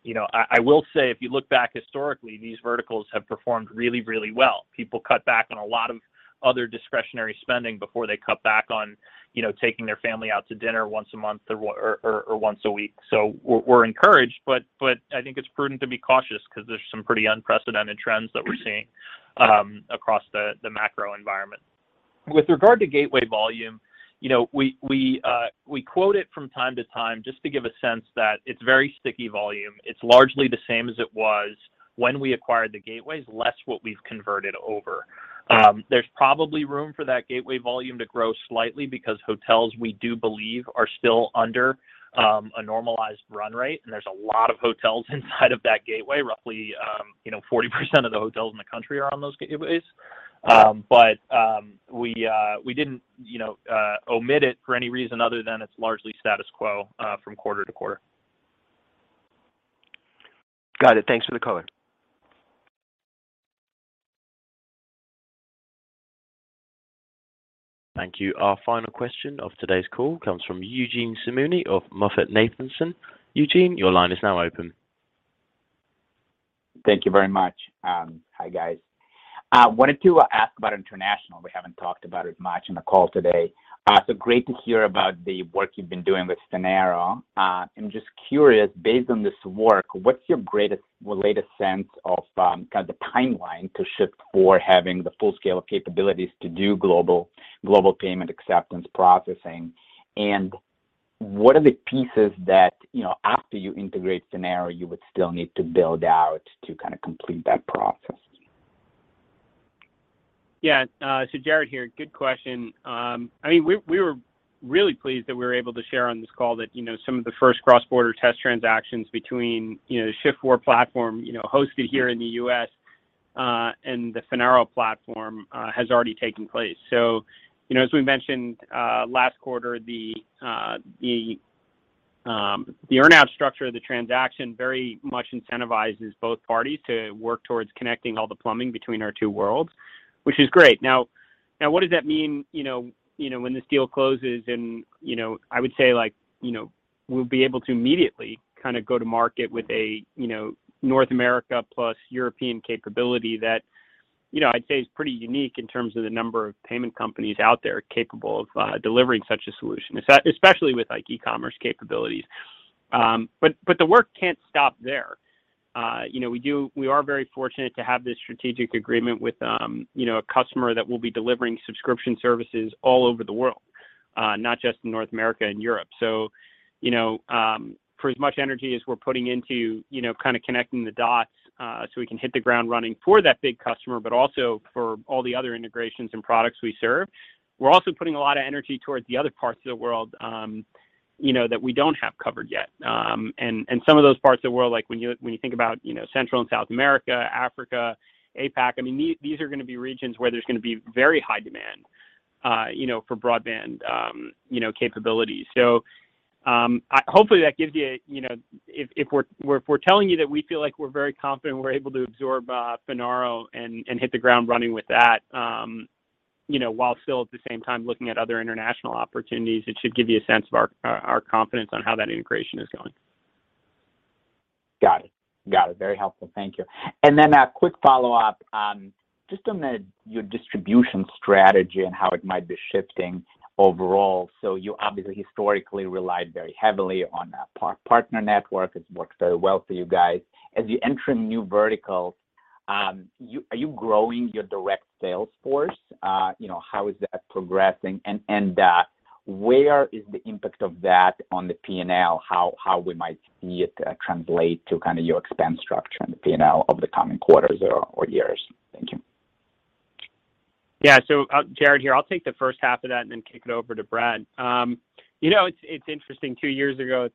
You know, I will say, if you look back historically, these verticals have performed really well. People cut back on a lot of other discretionary spending before they cut back on, you know, taking their family out to dinner once a month or once a week. We're encouraged, but I think it's prudent to be cautious because there's some pretty unprecedented trends that we're seeing across the macro environment. With regard to gateway volume, you know, we quote it from time to time just to give a sense that it's very sticky volume. It's largely the same as it was when we acquired the gateways, less what we've converted over. There's probably room for that gateway volume to grow slightly because hotels, we do believe, are still under a normalized run rate, and there's a lot of hotels inside of that gateway. Roughly, you know, 40% of the hotels in the country are on those gateways. But we didn't, you know, omit it for any reason other than it's largely status quo from quarter to quarter. Got it. Thanks for the color. Thank you. Our final question of today's call comes from Eugene Simuni of MoffettNathanson. Eugene, your line is now open. Thank you very much. Hi, guys. Wanted to ask about international. We haven't talked about it much in the call today. Great to hear about the work you've been doing with Finaro. I'm just curious, based on this work, what's your greatest or latest sense of kind of the timeline to Shift4 having the full scale of capabilities to do global payment acceptance processing? And what are the pieces that, you know, after you integrate Finaro, you would still need to build out to kind of complete that process? Yeah. Jared here. Good question. I mean, we were really pleased that we were able to share on this call that, you know, some of the first cross-border test transactions between, you know, the Shift4 platform, you know, hosted here in the U.S., and the Finaro platform, has already taken place. You know, as we mentioned, last quarter, the earn-out structure of the transaction very much incentivizes both parties to work towards connecting all the plumbing between our two worlds, which is great. Now what does that mean, you know, when this deal closes and, you know, I would say, like, you know, we'll be able to immediately kind of go to market with a, you know, North America plus European capability that, you know, I'd say is pretty unique in terms of the number of payment companies out there capable of delivering such a solution, especially with, like, e-commerce capabilities. But the work can't stop there. You know, we are very fortunate to have this strategic agreement with, you know, a customer that will be delivering subscription services all over the world, not just in North America and Europe. You know, for as much energy as we're putting into, you know, kind of connecting the dots, so we can hit the ground running for that big customer, but also for all the other integrations and products we serve, we're also putting a lot of energy towards the other parts of the world. You know, that we don't have covered yet. And some of those parts of the world, like when you think about, you know, Central and South America, Africa, APAC, I mean, these are gonna be regions where there's gonna be very high demand, you know, for broadband, you know, capabilities. Hopefully, that gives you. You know, if we're telling you that we feel like we're very confident we're able to absorb Finaro and hit the ground running with that, you know, while still at the same time looking at other international opportunities, it should give you a sense of our confidence on how that integration is going. Got it. Very helpful. Thank you. Then a quick follow-up, just on your distribution strategy and how it might be shifting overall. You obviously historically relied very heavily on a partner network. It's worked very well for you guys. As you enter new verticals, are you growing your direct sales force? You know, how is that progressing? Where is the impact of that on the P&L? How we might see it translate to your expense structure and the P&L of the coming quarters or years? Thank you. Yeah. Jared here. I'll take the first half of that and then kick it over to Brad. You know, it's interesting. Two years ago,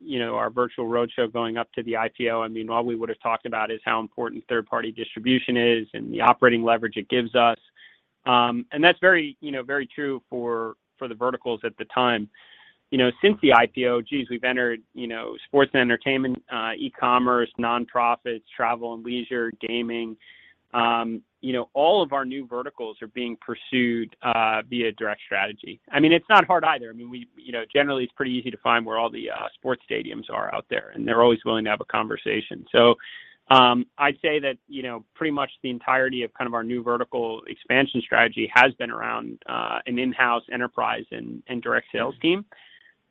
you know, our virtual roadshow going up to the IPO, I mean, all we would have talked about is how important third-party distribution is and the operating leverage it gives us. That's very you know, very true for the verticals at the time. You know, since the IPO, geez, we've entered you know, sports and entertainment, e-commerce, nonprofits, travel and leisure, gaming. You know, all of our new verticals are being pursued via direct strategy. I mean, it's not hard either. I mean, you know, generally, it's pretty easy to find where all the sports stadiums are out there, and they're always willing to have a conversation. I'd say that, you know, pretty much the entirety of kind of our new vertical expansion strategy has been around an in-house enterprise and direct sales team.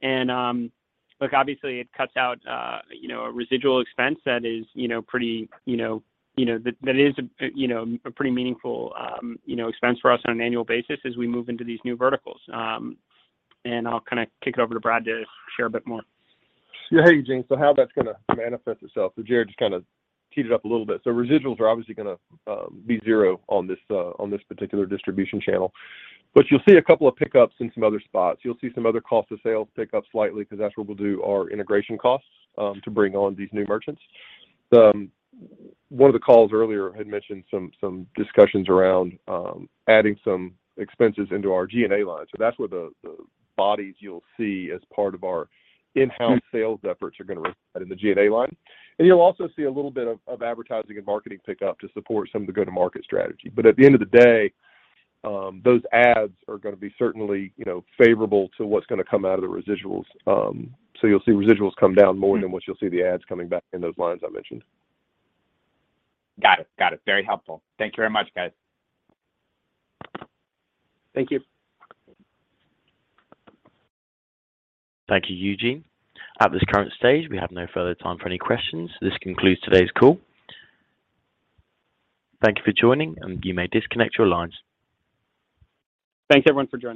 Look, obviously, it cuts out, you know, a residual expense that is, you know, a pretty meaningful expense for us on an annual basis as we move into these new verticals. I'll kinda kick it over to Brad to share a bit more. Yeah. Hey, Eugene. How that's gonna manifest itself. Jared just kinda teed it up a little bit. Residuals are obviously gonna be zero on this particular distribution channel. You'll see a couple of pickups in some other spots. You'll see some other cost of sales pick up slightly 'cause that's where we'll do our integration costs to bring on these new merchants. One of the calls earlier had mentioned some discussions around adding some expenses into our G&A line. That's where the bodies you'll see as part of our in-house sales efforts are gonna reside in the G&A line. You'll also see a little bit of advertising and marketing pick up to support some of the go-to-market strategy. At the end of the day, those ads are gonna be certainly, you know, favorable to what's gonna come out of the residuals. You'll see residuals come down more than what you'll see the ads coming back in those lines I mentioned. Got it. Very helpful. Thank you very much, guys. Thank you. Thank you, Eugene. At this current stage, we have no further time for any questions. This concludes today's call. Thank you for joining, and you may disconnect your lines. Thanks, everyone, for joining.